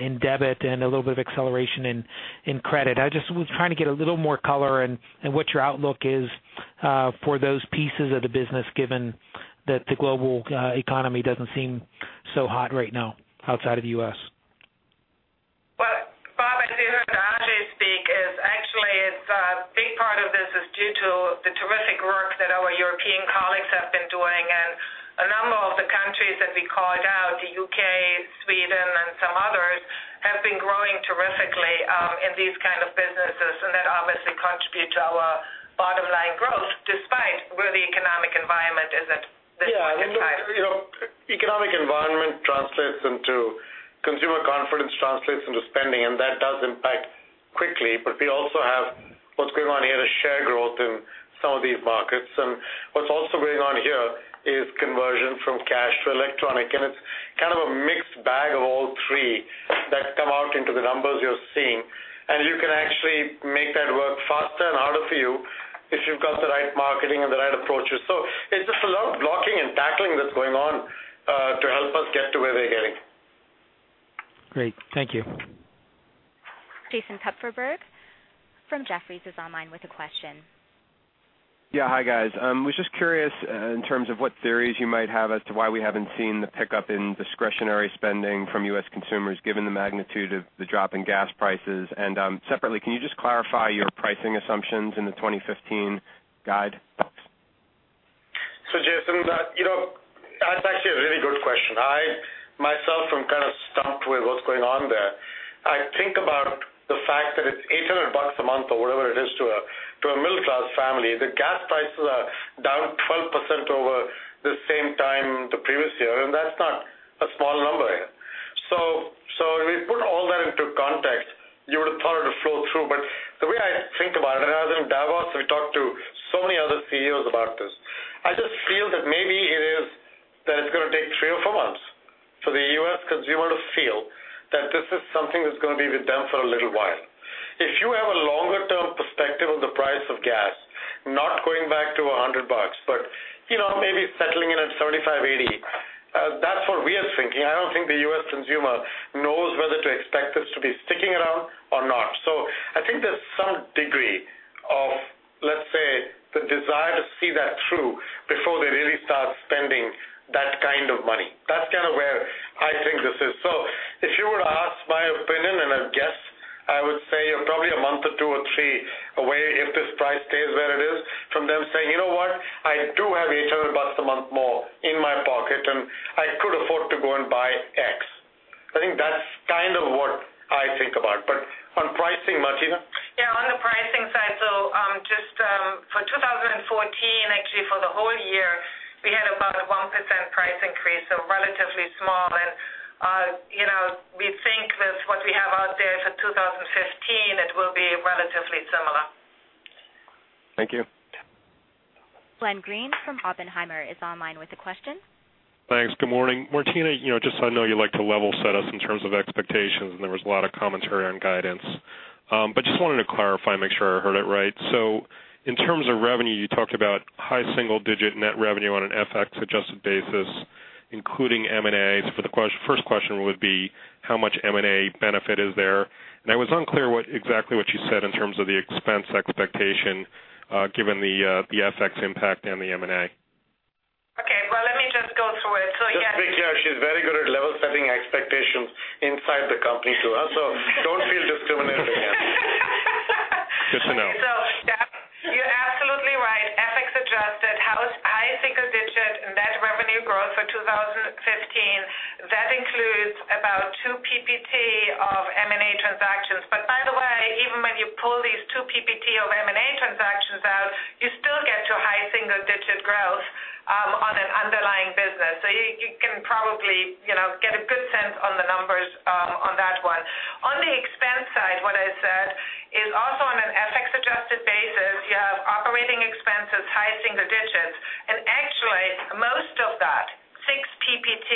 in debit and a little bit of acceleration in credit. I just was trying to get a little more color in what your outlook is for those pieces of the business, given that the global economy doesn't seem so hot right now outside of the U.S.
Well, Bob, as you heard Ajay speak is actually, a big part of this is due to the terrific work that our European colleagues have been doing, and a number of the countries that we called out, the U.K., Sweden, and some others, have been growing terrifically in these kind of businesses, and that obviously contribute to our bottom-line growth despite where the economic environment is at this point in time.
Yeah. Economic environment translates into consumer confidence, translates into spending, and that does impact quickly. We also have what's going on here is share growth in some of these markets. What's also going on here is conversion from cash to electronic. It's kind of a mixed bag of all three that come out into the numbers you're seeing, and you can actually make that work faster and harder for you if you've got the right marketing and the right approaches. It's just a lot of blocking and tackling that's going on to help us get to where we're getting.
Great. Thank you.
Jason Kupferberg from Jefferies is online with a question.
Yeah. Hi, guys. I was just curious in terms of what theories you might have as to why we haven't seen the pickup in discretionary spending from U.S. consumers given the magnitude of the drop in gas prices. Separately, can you just clarify your pricing assumptions in the 2015 guide?
Jason, that's actually a really good question. I myself am kind of stumped with what's going on there. I think about the fact that it's $800 a month or whatever it is to a middle-class family. The gas prices are down 12% over the same time the previous year, that's not a small number. When we put all that into context, you would have thought it would flow through. The way I think about it, and I was in Davos, we talked to so many other CEOs about this. I just feel that maybe it is that it's going to take three or four months for the U.S. consumer to feel that this is something that's going to be with them for a little while. If you have a longer-term perspective on the price of gas, not going back to $100, but maybe settling in at $75, $80, that's what we are thinking. I don't think the U.S. consumer knows whether to expect this to be sticking around or not. I think there's some degree of, let's say, the desire to see that through before they really start spending that kind of money. That's kind of where I think this is. If you were to ask my opinion and a guess, I would say you're probably a month or two or three away if this price stays where it is from them saying, "You know what? I do have $800 a month more in my pocket, and I could afford to go and buy X." I think that's kind of what I think about. On pricing, Martina?
Yeah, on the pricing side. Just for 2014, actually, for the whole year, we had about a 1% price increase, relatively small. We think with what we have out there for 2015, it will be relatively similar.
Thank you.
Glenn Greene from Oppenheimer is online with a question.
Thanks. Good morning. Martina, I know you like to level set us in terms of expectations, there was a lot of commentary on guidance. I just wanted to clarify, make sure I heard it right. In terms of revenue, you talked about high single-digit net revenue on an FX-adjusted basis, including M&As. The first question would be how much M&A benefit is there? I was unclear exactly what you said in terms of the expense expectation given the FX impact and the M&A.
Okay. Well, let me just go through it.
Just be clear, she's very good at level setting expectations inside the company too, huh? Don't feel discriminated against.
Good to know.
You're absolutely right. FX-adjusted, high single-digit net revenue growth for 2015. That includes about two PPT of M&A transactions. Even when you pull these two PPT of M&A transactions out, you still get your high single-digit growth on an underlying You can probably get a good sense on the numbers on that one. On the expense side, what I said is also on an FX-adjusted basis, you have operating expenses high single-digits, and actually most of that six PPT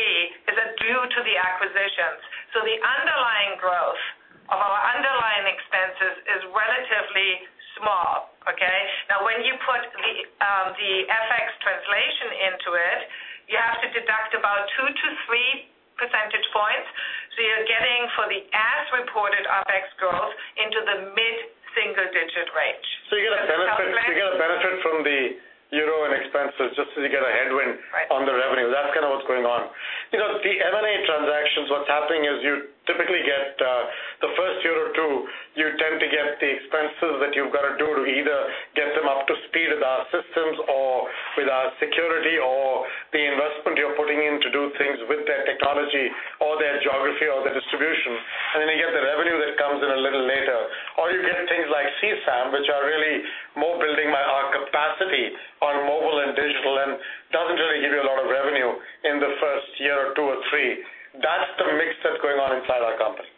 is due to the acquisitions. The underlying growth of our underlying expenses is relatively small. Okay. Now when you put the FX translation into it, you have to deduct about two to three percentage points. You're getting for the as-reported OpEx growth into the mid-single-digit range.
You get a benefit from the euro and expenses just you get a headwind-
Right
on the revenue. That's kind of what's going on. The M&A transactions, what's happening is you typically get the first year or two, you tend to get the expenses that you've got to do to either get them up to speed with our systems or with our security or the investment you're putting in to do things with their technology or their geography or the distribution. Then you get the revenue that comes in a little later, or you get things like C-SAM, which are really more building our capacity on mobile and digital and doesn't really give you a lot of revenue in the first year or two or three. That's the mix that's going on inside our company.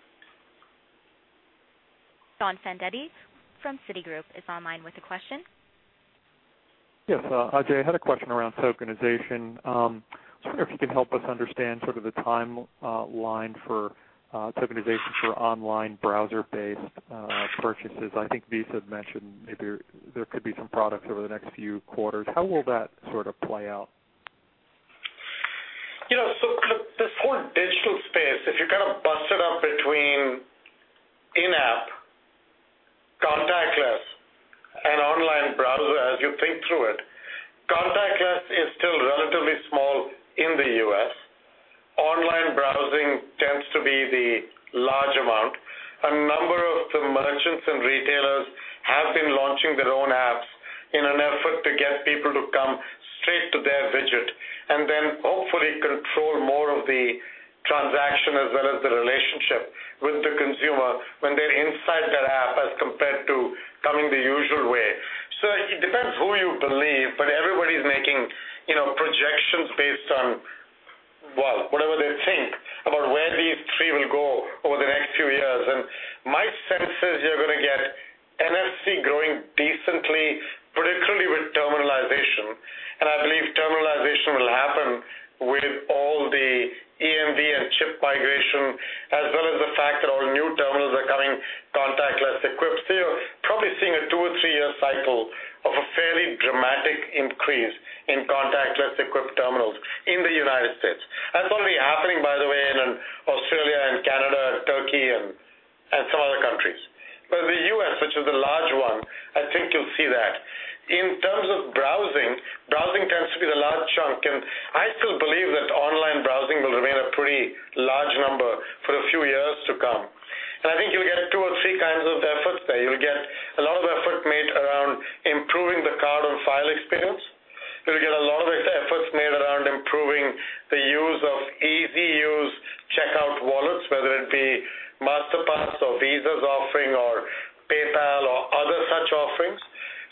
Donald Fandetti from Citigroup is online with a question.
Yes. Ajay, I had a question around tokenization. I was wondering if you can help us understand sort of the timeline for tokenization for online browser-based purchases. I think Visa had mentioned maybe there could be some products over the next few quarters. How will that sort of play out?
This whole digital space, if you kind of bust it up between in-app, contactless, and online browser, as you think through it, contactless is still relatively small in the U.S. Online browsing tends to be the large amount. A number of the merchants and retailers have been launching their own apps in an effort to get people to come straight to their widget and then hopefully control more of the transaction as well as the relationship with the consumer when they're inside that app as compared to coming the usual way. It depends who you believe, but everybody's making projections based on, well, whatever they think about where these three will go over the next few years. My sense is you're going to get NFC growing decently, particularly with terminalization. I believe terminalization will happen with all the EMV and chip migration, as well as the fact that all new terminals are coming contactless equipped. You're probably seeing a two- or three-year cycle of a fairly dramatic increase in contactless-equipped terminals in the U.S. That's already happening, by the way, in Australia and Canada and Turkey and some other countries. But the U.S., which is the large one, I think you'll see that. In terms of browsing tends to be the large chunk. I still believe that online browsing will remain a pretty large number for a few years to come. I think you'll get two or three kinds of efforts there. You'll get a lot of effort made around improving the card on file experience. You'll get a lot of these efforts made around improving the use of easy use checkout wallets, whether it be Masterpass or Visa's offering or PayPal or other such offerings.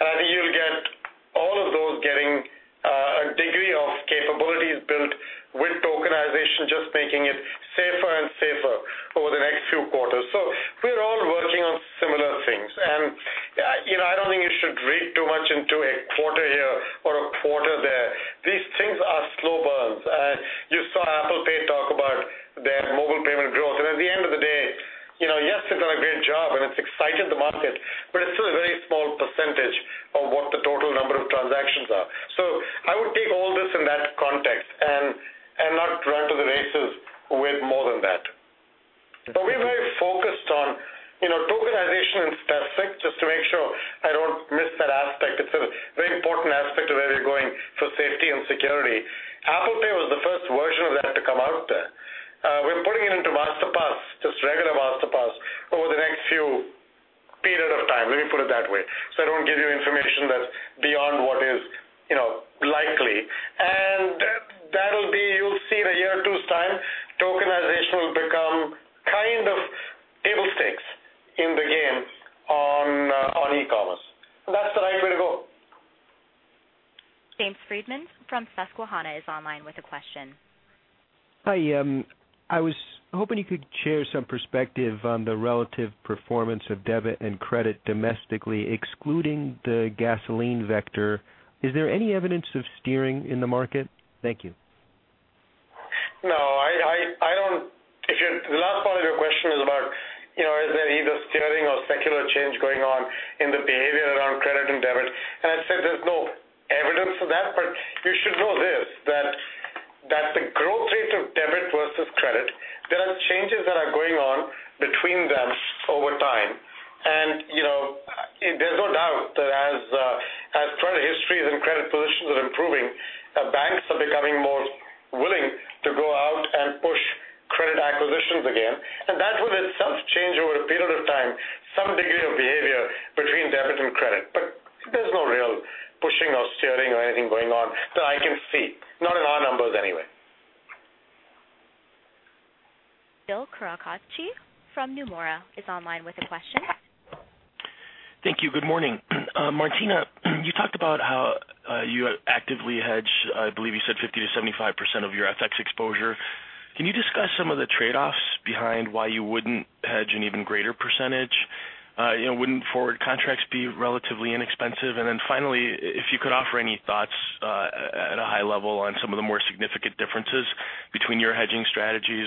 I think you'll get all of those getting a degree of capabilities built with tokenization, just making it safer and safer over the next few quarters. We're all working on similar things. I don't think you should read too much into a quarter here or a quarter there. These things are slow burns. You saw Apple Pay talk about their mobile payment growth. At the end of the day, yes, they've done a great job and it's excited the market, but it's still a very small percentage of what the total number of transactions are. I would take all this in that context and not run to the races with more than that. We're very focused on tokenization in specific, just to make sure I don't miss that aspect. It's a very important aspect of where we're going for safety and security. Apple Pay was the first version of that to come out there. We're putting it into Masterpass, just regular Masterpass, over the next few period of time. Let me put it that way, so I don't give you information that's beyond what is likely. That'll be, you'll see in a year or two's time, tokenization will become kind of table stakes in the game on e-commerce. That's the right way to go.
James Friedman from Susquehanna is online with a question.
Hi. I was hoping you could share some perspective on the relative performance of debit and credit domestically, excluding the gasoline vector. Is there any evidence of steering in the market? Thank you.
No. The last part of your question is about, is there either steering or secular change going on in the behavior around credit and debit? I said there's no evidence of that, but you should know this, that the growth rate of debit versus credit, there are changes that are going on between them over time. There's no doubt that as credit histories and credit positions are improving, banks are becoming more willing to go out and push credit acquisitions again. That will itself change over a period of time, some degree of behavior between debit and credit. There's no real pushing or steering or anything going on that I can see. Not in our numbers anyway.
Bill Carcache from Nomura is online with a question.
Thank you. Good morning. Martina, you talked about how you actively hedge, I believe you said 50%-75% of your FX exposure. Can you discuss some of the trade-offs behind why you wouldn't hedge an even greater percentage? Wouldn't forward contracts be relatively inexpensive? Finally, if you could offer any thoughts at a high level on some of the more significant differences between your hedging strategies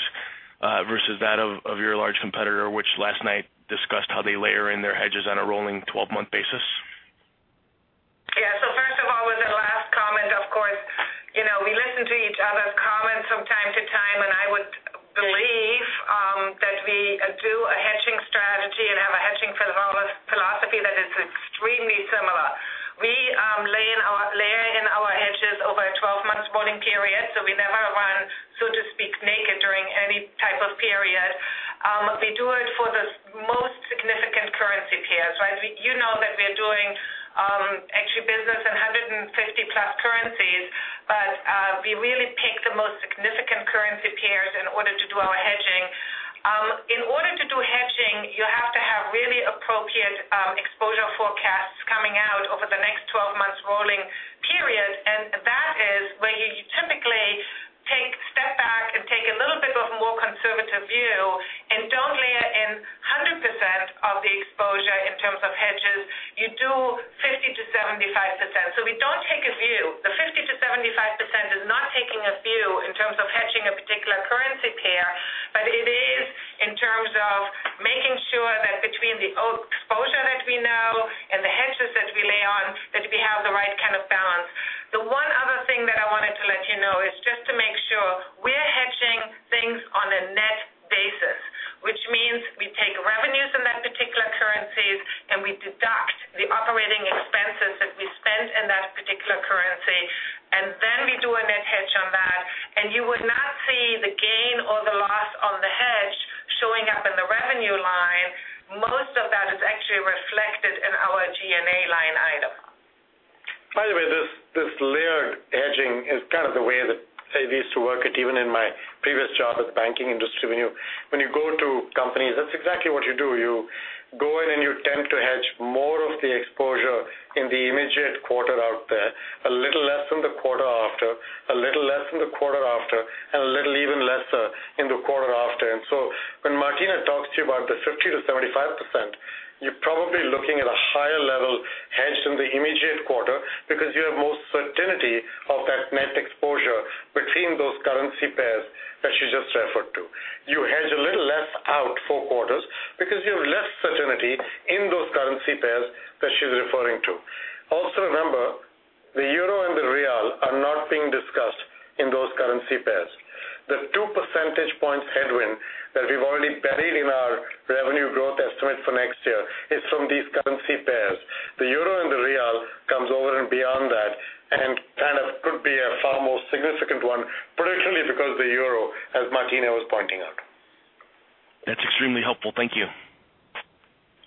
versus that of your large competitor, which last night discussed how they layer in their hedges on a rolling 12-month basis.
Yeah. First of all, with the last comment, of course, we listen to each other's comments from time to time, and I would believe that we do a hedging strategy and have a hedging philosophy that is extremely similar. We layer in our hedges over a 12 months rolling period, we never run, so to speak, naked during any type of period. We do it for the most significant currency pairs, right? You know that we are doing actually business in 150 plus currencies, but we really pick the most significant currency pairs in order to do our hedging. In order to do hedging, you have to have really appropriate exposure forecasts coming out over the next 12 months rolling period. That is where you typically step back and take a little bit of a more conservative view, and don't layer in 100% of the exposure in terms of hedges.
pairs that she's referring to. Remember, the euro and the real are not being discussed in those currency pairs. The two percentage points headwind that we've already buried in our revenue growth estimate for next year is from these currency pairs. The euro and the real comes over and beyond that and kind of could be a far more significant one, particularly because the euro, as Martina was pointing out.
That's extremely helpful. Thank you.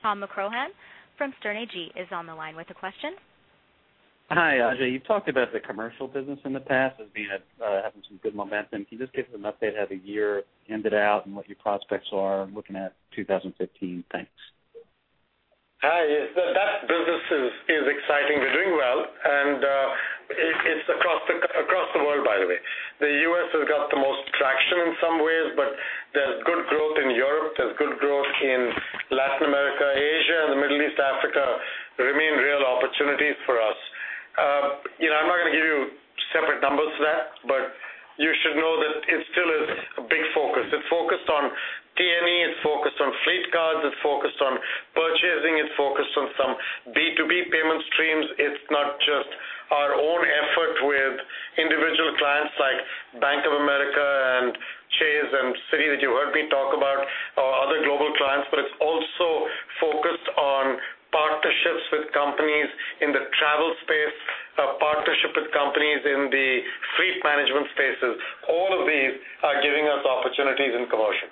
Tom McCrohan from Sterne Agee is on the line with a question.
Hi, Ajay. You've talked about the commercial business in the past as having some good momentum. Can you just give us an update how the year ended out and what your prospects are looking at 2015? Thanks.
Hi. That business is exciting. It's across the world, by the way. The U.S. has got the most traction in some ways. There's good growth in Europe. There's good growth in Latin America. Asia and the Middle East, Africa remain real opportunities for us. I'm not going to give you separate numbers for that. You should know that it still is a big focus. It's focused on T&E, it's focused on fleet cards, it's focused on purchasing, it's focused on some B2B payment streams. It's not just our own effort with individual clients like Bank of America and Chase and Citi that you heard me talk about, or other global clients. It's also focused on partnerships with companies in the travel space, partnership with companies in the fleet management spaces. All of these are giving us opportunities in commercial.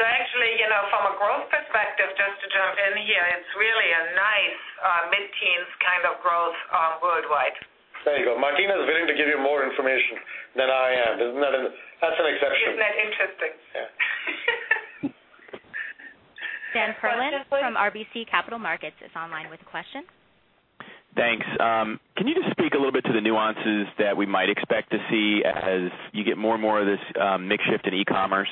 Actually, from a growth perspective, just to jump in here, it's really a nice mid-teens kind of growth worldwide.
There you go. Martina is willing to give you more information than I am. That's an exception.
Isn't that interesting?
Yeah.
Daniel Perlin from RBC Capital Markets is online with a question.
Thanks. Can you just speak a little bit to the nuances that we might expect to see as you get more and more of this mix shift in e-commerce?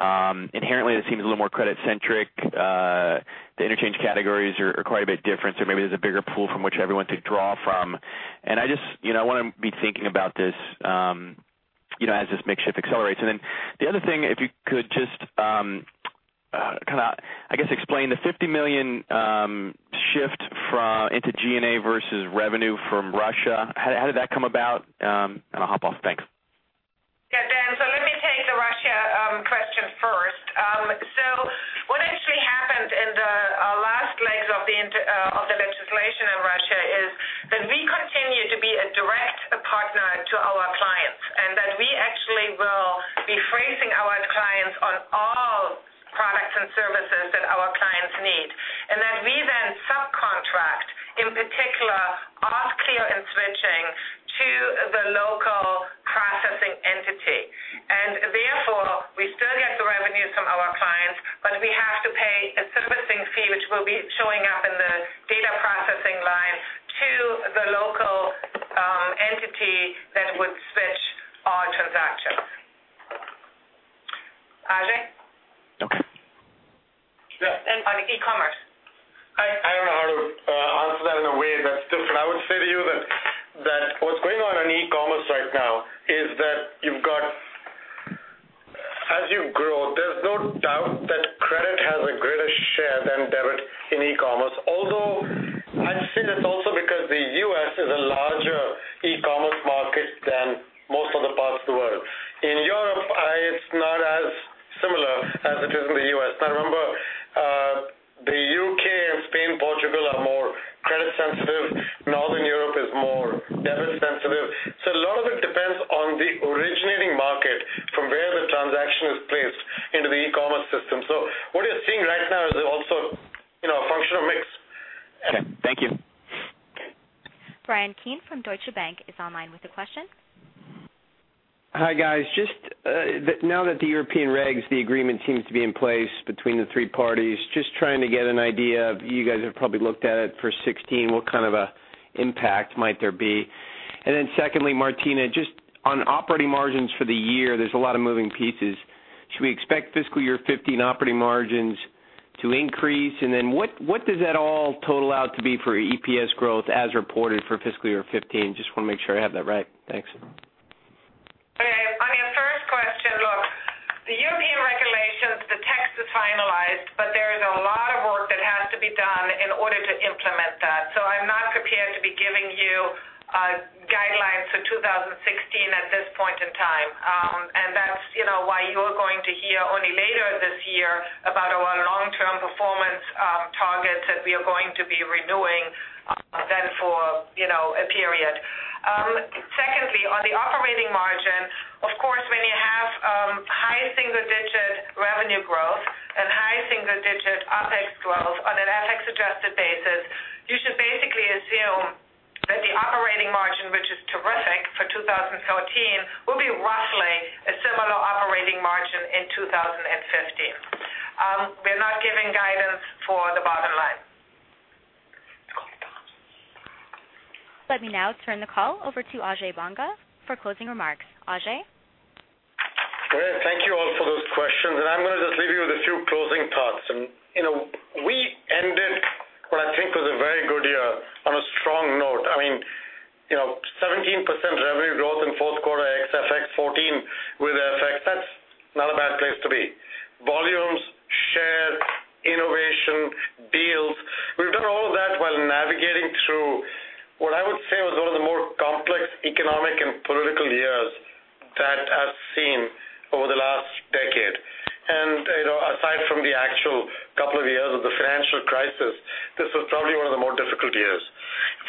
Inherently, this seems a little more credit-centric. The interchange categories are quite a bit different, so maybe there's a bigger pool from which everyone could draw from. I just want to be thinking about this as this mix shift accelerates. Then the other thing, if you could just kind of, I guess, explain the $50 million shift into G&A versus revenue from Russia. How did that come about? I'll hop off. Thanks.
Yeah, Dan. Let me take the Russia question first. What actually happened in the last legs of the legislation in Russia is that we continue to be a direct partner to our clients, and that we actually will be facing our clients on Products and services that our clients need. We then subcontract, in particular, auth clear and switching to the local processing entity. Therefore, we still get the revenues from our clients, but we have to pay a servicing fee, which will be showing up in the data processing line to the local entity that would switch our transactions. Ajay?
Okay.
On e-commerce.
I don't know how to answer that in a way that's different. I would say to you that what's going on in e-commerce right now is that as you grow, there's no doubt that credit has a greater share than debit in e-commerce. Although I'd say that's also because the U.S. is a larger e-commerce market than most other parts of the world. In Europe, it's not as similar as it is in the U.S. Remember, the U.K. and Spain, Portugal are more credit sensitive. Northern Europe is more debit sensitive. A lot of it depends on the originating market from where the transaction is placed into the e-commerce system. What you're seeing right now is also a function of mix. Okay, thank you.
Bryan Keane from Deutsche Bank is online with a question.
Hi, guys. Now that the European regs, the agreement seems to be in place between the three parties, trying to get an idea. You guys have probably looked at it for 2016, what kind of impact might there be? Secondly, Martina, on operating margins for the year, there's a lot of moving pieces. Should we expect FY 2015 operating margins to increase? What does that all total out to be for EPS growth as reported for FY 2015? Want to make sure I have that right. Thanks.
On your first question, the European regulations, the text is finalized, but there is a lot of work that has to be done in order to implement that. I'm not prepared to be giving you guidelines for 2016 at this point in time. That's why you're going to hear only later this year about our long-term performance targets that we are going to be renewing then for a period. Secondly, on the operating margin, of course, when you have high single-digit revenue growth and high single-digit OpEx growth on an FX-adjusted basis, you should basically assume that the operating margin, which is terrific for 2014, will be roughly a similar operating margin in 2015. We're not giving guidance for the bottom line.
Let me now turn the call over to Ajay Banga for closing remarks. Ajay?
Great. Thank you all for those questions. I'm going to just leave you with a few closing thoughts. We ended what I think was a very good year on a strong note. 17% revenue growth in fourth quarter ex FX, 14 with FX, that's not a bad place to be. Volumes, share, innovation, deals, we've done all of that while navigating through what I would say was one of the more complex economic and political years that I've seen over the last decade. Aside from the actual couple of years of the financial crisis, this was probably one of the more difficult years.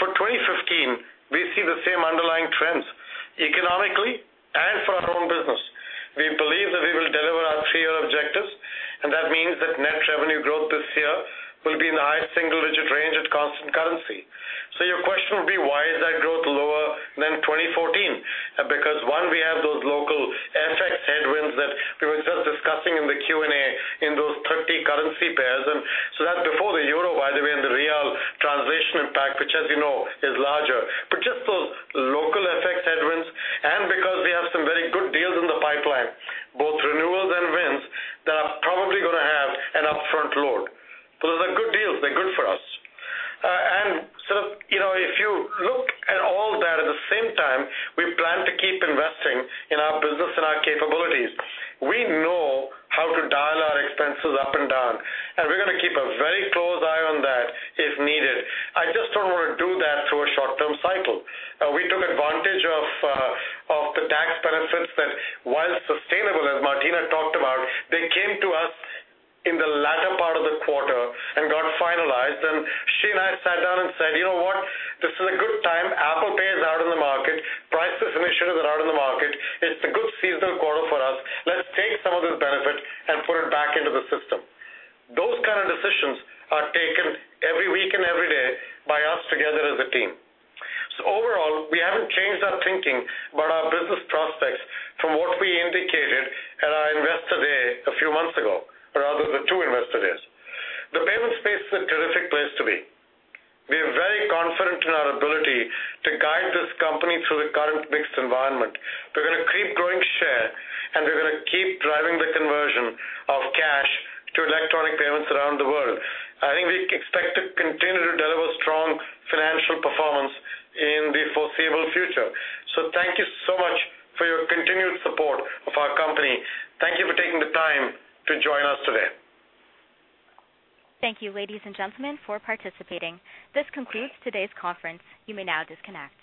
For 2015, we see the same underlying trends economically and for our own business. We believe that we will deliver our three-year objectives, and that means that net revenue growth this year will be in the high single-digit range at constant currency. Your question would be, why is that growth lower than 2014? Because one, we have those local FX headwinds that we were just discussing in the Q&A in those 30 currency pairs. That's before the euro, by the way, and the real translation impact, which as you know, is larger. Just those local FX headwinds, and because we have some very good deals in the pipeline, both renewals and wins, that are probably going to have an upfront load. Those are good deals. They're good for us. If you look at all that at the same time, we plan to keep investing in our business and our capabilities. We know how to dial our expenses up and down, and we're going to keep a very close eye on that if needed. I just don't want to do that through a short-term cycle. We took advantage of the tax benefits that, while sustainable, as Martina talked about, they came to us in the latter part of the quarter and got finalized. She and I sat down and said, "You know what? This is a good time. Apple Pay is out in the market. Priceless and issuers are out in the market. It's a good seasonal quarter for us. Let's take some of this benefit and put it back into the system." Those kind of decisions are taken every week and every day by us together as a team. Overall, we haven't changed our thinking about our business prospects from what we indicated at our Investor Day a few months ago, or rather the two Investor Days. The payment space is a terrific place to be. We are very confident in our ability to guide this company through the current mixed environment. We're going to keep growing share, and we're going to keep driving the conversion of cash to electronic payments around the world. I think we expect to continue to deliver strong financial performance in the foreseeable future. Thank you so much for your continued support of our company. Thank you for taking the time to join us today.
Thank you, ladies and gentlemen, for participating. This concludes today's conference. You may now disconnect.